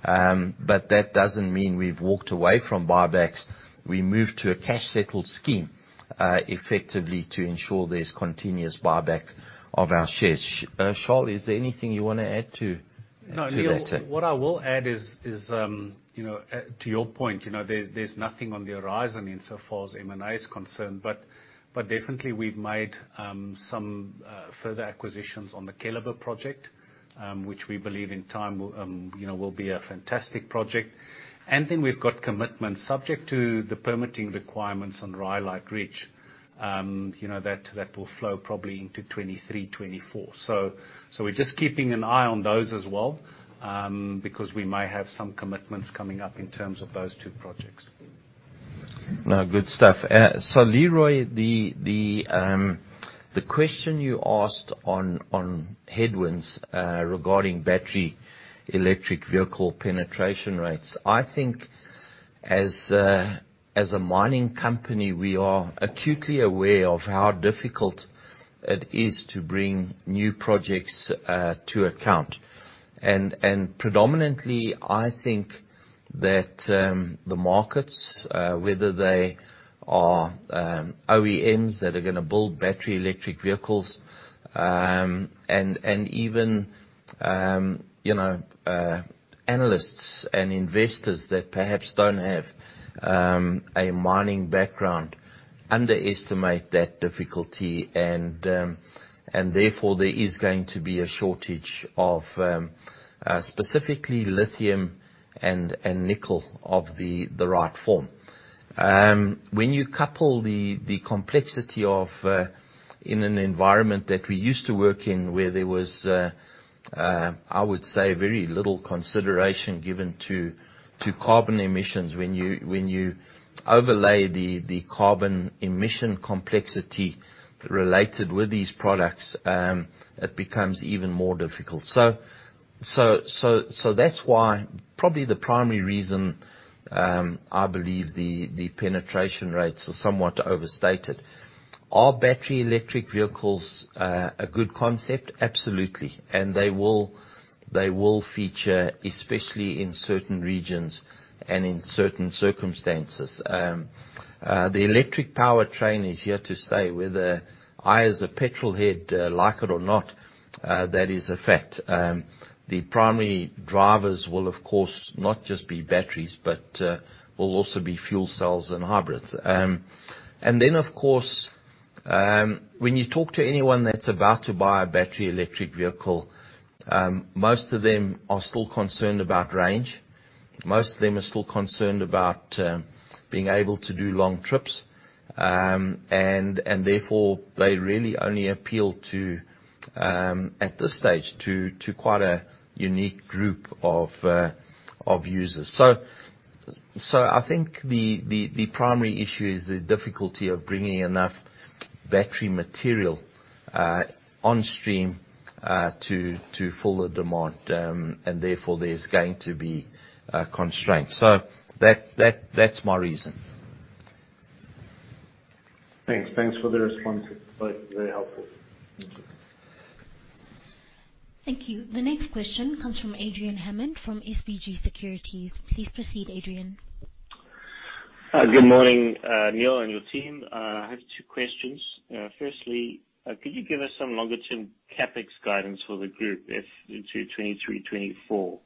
That doesn't mean we've walked away from buybacks. We moved to a cash-settled scheme, effectively to ensure there's continuous buyback of our shares. Charles, is there anything you wanna add to that? No, Neal, what I will add is to your point, you know, there's nothing on the horizon insofar as M&A is concerned but definitely we've made some further acquisitions on the Keliber Project, which we believe in time will you know will be a fantastic project. Then we've got commitments subject to the permitting requirements on Rhyolite Ridge, you know, that will flow probably into 2023, 2024. We're just keeping an eye on those as well, because we may have some commitments coming up in terms of those two projects. No, good stuff. Leroy, the question you asked on headwinds regarding battery electric vehicle penetration rates, I think as a mining company, we are acutely aware of how difficult it is to bring new projects to account. Predominantly, I think that the markets, whether they are OEMs that are gonna build battery electric vehicles and even you know analysts and investors that perhaps don't have a mining background underestimate that difficulty and therefore there is going to be a shortage of specifically lithium and nickel of the right form. When you couple the complexity of in an environment that we used to work in where there was I would say very little consideration given to carbon emissions. When you overlay the carbon emission complexity related with these products, it becomes even more difficult. So that's why probably the primary reason I believe the penetration rates are somewhat overstated. Are battery electric vehicles a good concept? Absolutely. They will feature, especially in certain regions and in certain circumstances. The electric powertrain is here to stay, whether I, as a petrol head, like it or not, that is a fact. The primary drivers will of course not just be batteries but will also be fuel cells and hybrids. Of course, when you talk to anyone that's about to buy a battery electric vehicle, most of them are still concerned about range. Most of them are still concerned about being able to do long trips. Therefore, they really only appeal to, at this stage, to quite a unique group of users. I think the primary issue is the difficulty of bringing enough battery material on stream to fill the demand. There's going to be constraints. That's my reason. Thanks. Thanks for the response. That was very helpful. Thank you. Thank you. The next question comes from Adrian Hammond from SBG Securities. Please proceed, Adrian. Good morning, Neal and your team. I have two questions. Firstly, could you give us some longer-term CapEx guidance for the group into 2023, 2024?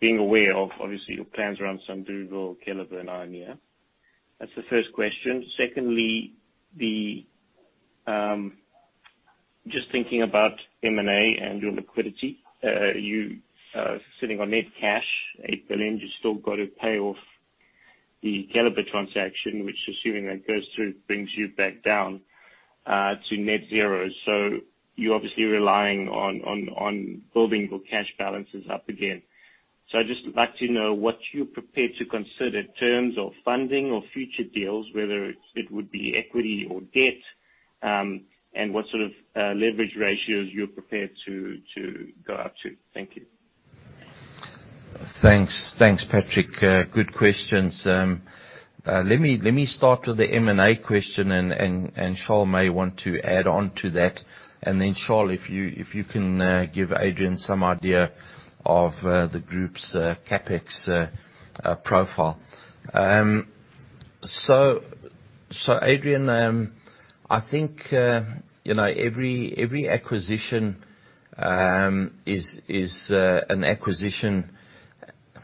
Being aware of obviously your plans around some Sandouville, Keliber and Ioneer. That's the first question. Secondly, just thinking about M&A and your liquidity, you sitting on net cash 8 billion, you've still got to pay off the Keliber transaction, which assuming that goes through, brings you back down to net zero. You're obviously relying on building your cash balances up again. I'd just like to know what you're prepared to consider terms of funding or future deals, whether it would be equity or debt and what sort of leverage ratios you're prepared to go up to. Thank you. Thanks. Thanks, Patrick. Good questions. Let me start with the M&A question and Charles may want to add on to that. Charles, if you can give Adrian some idea of the group's CapEx profile. Adrian, I think you know every acquisition is an acquisition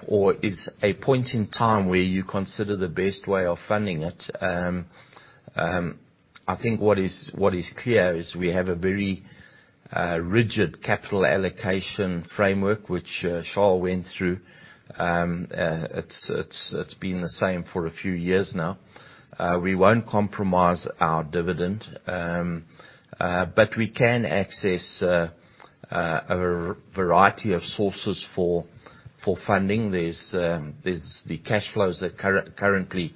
or is a point in time where you consider the best way of funding it. I think what is clear is we have a very rigid capital allocation framework, which Charles went through. It's been the same for a few years now. We won't compromise our dividend but we can access a variety of sources for funding. There's the cash flows that currently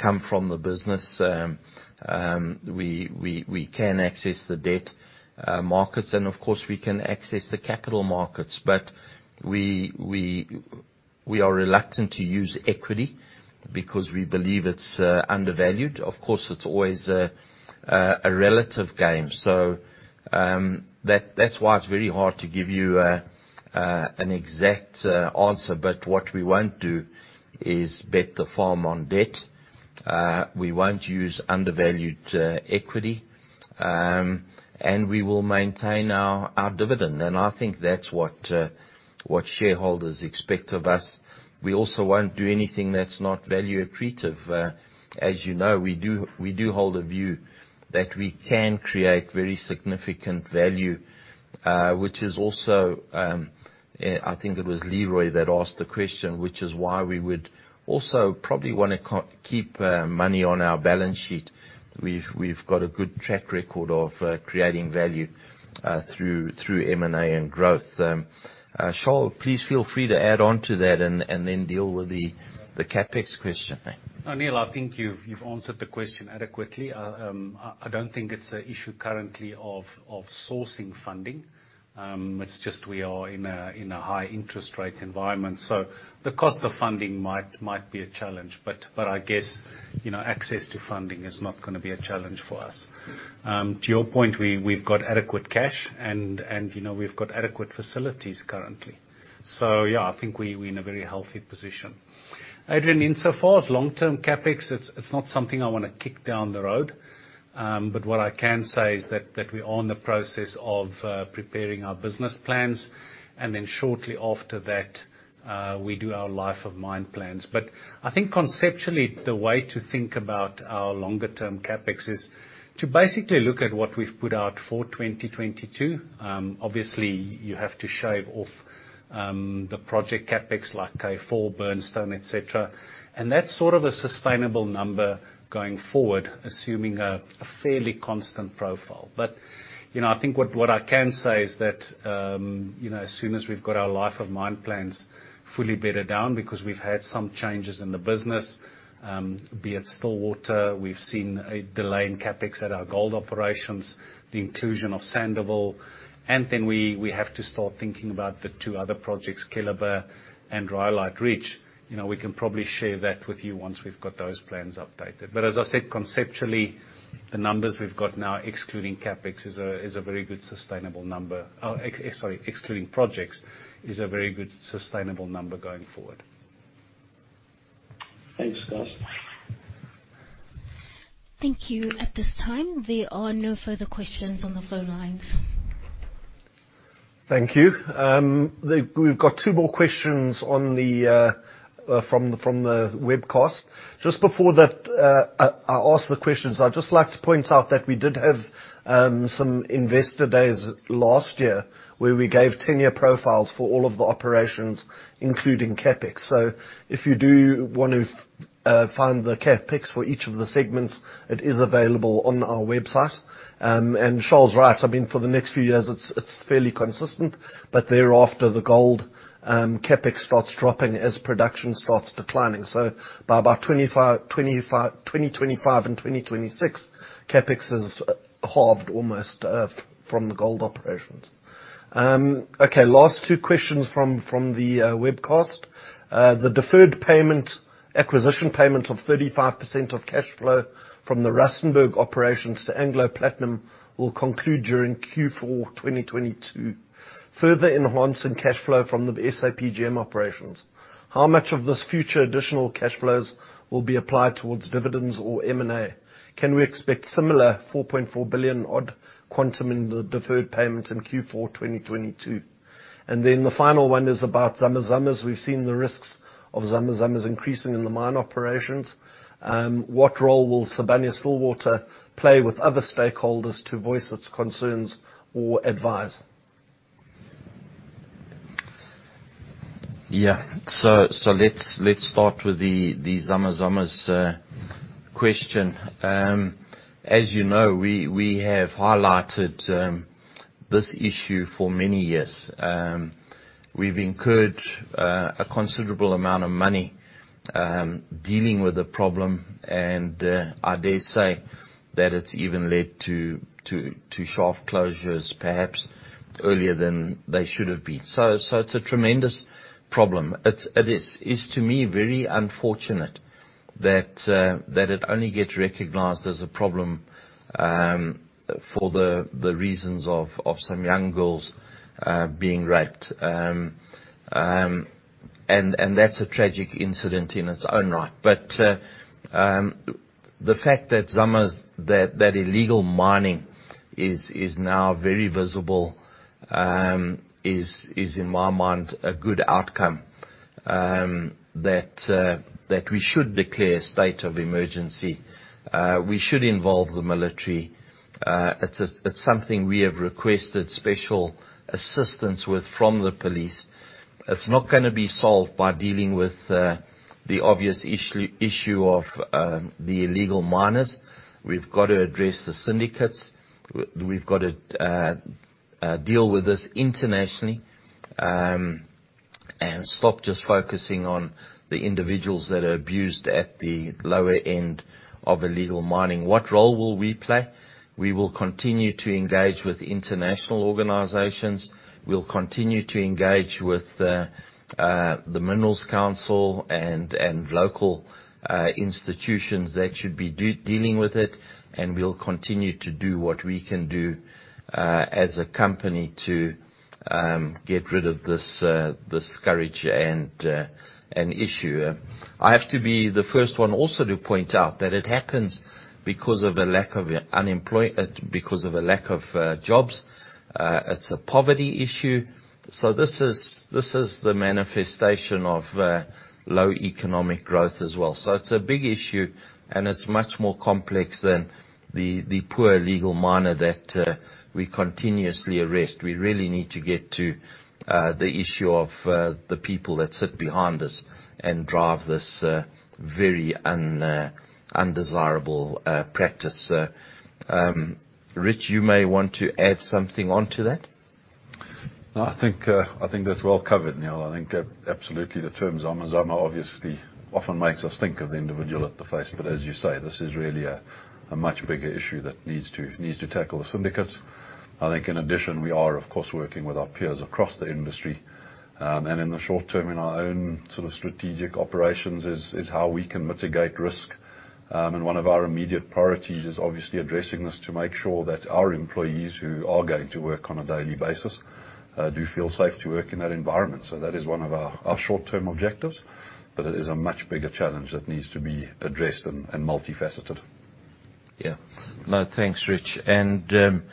come from the business. We can access the debt markets and of course, we can access the capital markets. We are reluctant to use equity because we believe it's undervalued. Of course, it's always a relative game. That's why it's very hard to give you an exact answer. What we won't do is bet the farm on debt. We won't use undervalued equity and we will maintain our dividend. I think that's what shareholders expect of us. We also won't do anything that's not value accretive. As you know, we do hold a view that we can create very significant value, which is also, I think it was Leroy that asked the question, which is why we would also probably wanna keep money on our balance sheet. We've got a good track record of creating value through M&A and growth. Charles, please feel free to add on to that and then deal with the CapEx question. No, Neal, I think you've answered the question adequately. I don't think it's an issue currently of sourcing funding. It's just we are in a high interest rate environment, so the cost of funding might be a challenge. I guess, you know, access to funding is not gonna be a challenge for us. To your point, we've got adequate cash and, you know, we've got adequate facilities currently. Yeah, I think we're in a very healthy position. Adrian, insofar as long-term CapEx, it's not something I wanna kick down the road. What I can say is that we are in the process of preparing our business plans and then shortly after that, we do our life of mine plans. I think conceptually, the way to think about our longer term CapEx is to basically look at what we've put out for 2022. Obviously, you have to shave off the project CapEx, like K4, Burnstone, et cetera. That's sort of a sustainable number going forward, assuming a fairly constant profile. You know, I think what I can say is that, you know, as soon as we've got our life of mine plans fully bedded down, because we've had some changes in the business, be it Stillwater, we've seen a delay in CapEx at our gold operations, the inclusion of Sandouville and then we have to start thinking about the two other projects, Keliber and Rhyolite Ridge. You know, we can probably share that with you once we've got those plans updated. As I said, conceptually, the numbers we've got now, excluding CapEx, is a very good sustainable number. Excluding projects, is a very good sustainable number going forward. Thanks, guys. Thank you. At this time, there are no further questions on the phone lines. Thank you. We've got two more questions from the webcast. Just before that, I ask the questions, I'd just like to point out that we did have some investor days last year where we gave 10-year profiles for all of the operations, including CapEx. If you do wanna find the CapEx for each of the segments, it is available on our website. Charles's right, I mean, for the next few years, it's fairly consistent. Thereafter, the gold CapEx starts dropping as production starts declining. By about 2025 and 2026, CapEx is halved almost from the gold operations. Okay, last two questions from the webcast. The deferred payment, acquisition payment of 35% of cash flow from the Rustenburg operations to Anglo American Platinum will conclude during Q4 2022, further enhancing cash flow from the SAPGM operations. How much of this future additional cash flows will be applied towards dividends or M&A? Can we expect similar 4.4 billion-odd quantum in the deferred payments in Q4 2022? The final one is about zama zamas. We've seen the risks of zama zamas increasing in the mine operations. What role will Sibanye-Stillwater play with other stakeholders to voice its concerns or advise? Yeah. Let's start with the zama zamas question. As you know, we have highlighted this issue for many years. We've incurred a considerable amount of money dealing with the problem and I dare say that it's even led to shaft closures perhaps earlier than they should have been. It's a tremendous problem. It is to me very unfortunate that that it only gets recognized as a problem for the reasons of some young girls being raped. That's a tragic incident in its own right. The fact that zama zamas that illegal mining is now very visible is in my mind a good outcome that we should declare a state of emergency. We should involve the military. It's something we have requested special assistance with from the police. It's not gonna be solved by dealing with the obvious issue of the illegal miners. We've got to address the syndicates. We've got to deal with this internationally and stop just focusing on the individuals that are abused at the lower end of illegal mining. What role will we play? We will continue to engage with international organizations. We'll continue to engage with the Minerals Council and local institutions that should be dealing with it and we'll continue to do what we can do as a company to get rid of this scourge and issue. I have to be the first one also to point out that it happens because of a lack of jobs. It's a poverty issue. This is the manifestation of low economic growth as well. It's a big issue and it's much more complex than the poor illegal miner that we continuously arrest. We really need to get to the issue of the people that sit behind this and drive this very undesirable practice. Rich, you may want to add something onto that. I think that's well covered, Neal. I think absolutely the term Zama Zama obviously often makes us think of the individual at the face but as you say, this is really a much bigger issue that needs to tackle the syndicates. I think in addition, we are of course working with our peers across the industry. In the short term, in our own sort of strategic operations is how we can mitigate risk. One of our immediate priorities is obviously addressing this to make sure that our employees who are going to work on a daily basis do feel safe to work in that environment. That is one of our short-term objectives but it is a much bigger challenge that needs to be addressed and multifaceted. Yeah. No, thanks, Rich. Then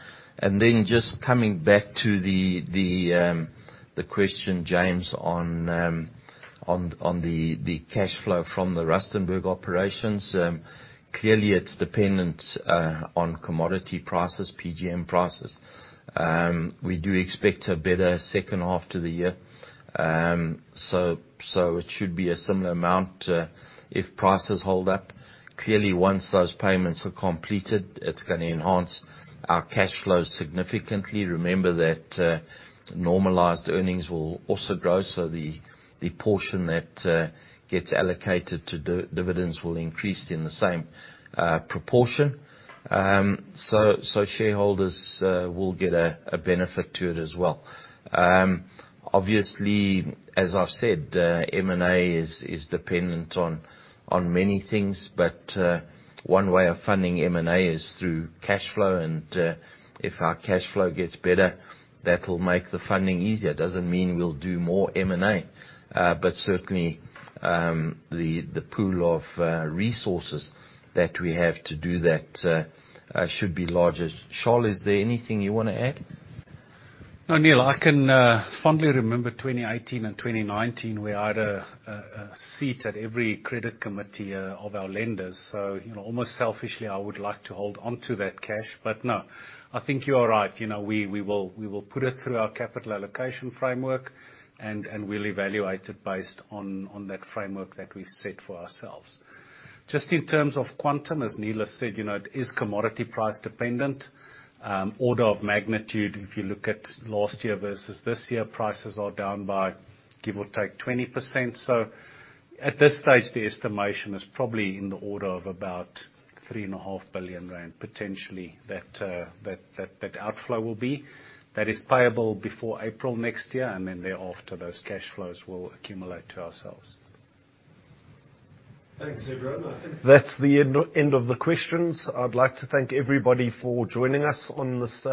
just coming back to the question, James, on the cash flow from the Rustenburg operations, clearly it's dependent on commodity prices, PGM prices. We do expect a better second half to the year. It should be a similar amount if prices hold up. Clearly once those payments are completed, it's gonna enhance our cash flow significantly. Remember that normalized earnings will also grow, so the portion that gets allocated to dividends will increase in the same proportion. Shareholders will get a benefit to it as well. Obviously, as I've said, M&A is dependent on many things. One way of funding M&A is through cashflow and if our cashflow gets better, that will make the funding easier. Doesn't mean we'll do more M&A but certainly, the pool of resources that we have to do that should be larger. Charles, is there anything you wanna add? No, Neal, I can fondly remember 2018 and 2019. We had a seat at every credit committee of our lenders. You know, almost selfishly I would like to hold onto that cash. But no, I think you are right. You know, we will put it through our capital allocation framework and we'll evaluate it based on that framework that we've set for ourselves. Just in terms of quantum, as Neal has said, you know, it is commodity price dependent. Order of magnitude, if you look at last year versus this year, prices are down by, give or take, 20%. At this stage, the estimation is probably in the order of about 3.5 billion rand potentially that outflow will be. That is payable before April next year and then thereafter those cashflows will accumulate to ourselves. Thanks, everyone. I think that's the end of the questions. I'd like to thank everybody for joining us on this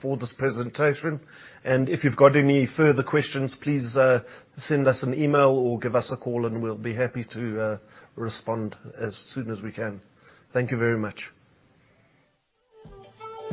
for this presentation. If you've got any further questions, please send us an email or give us a call and we'll be happy to respond as soon as we can. Thank you very much.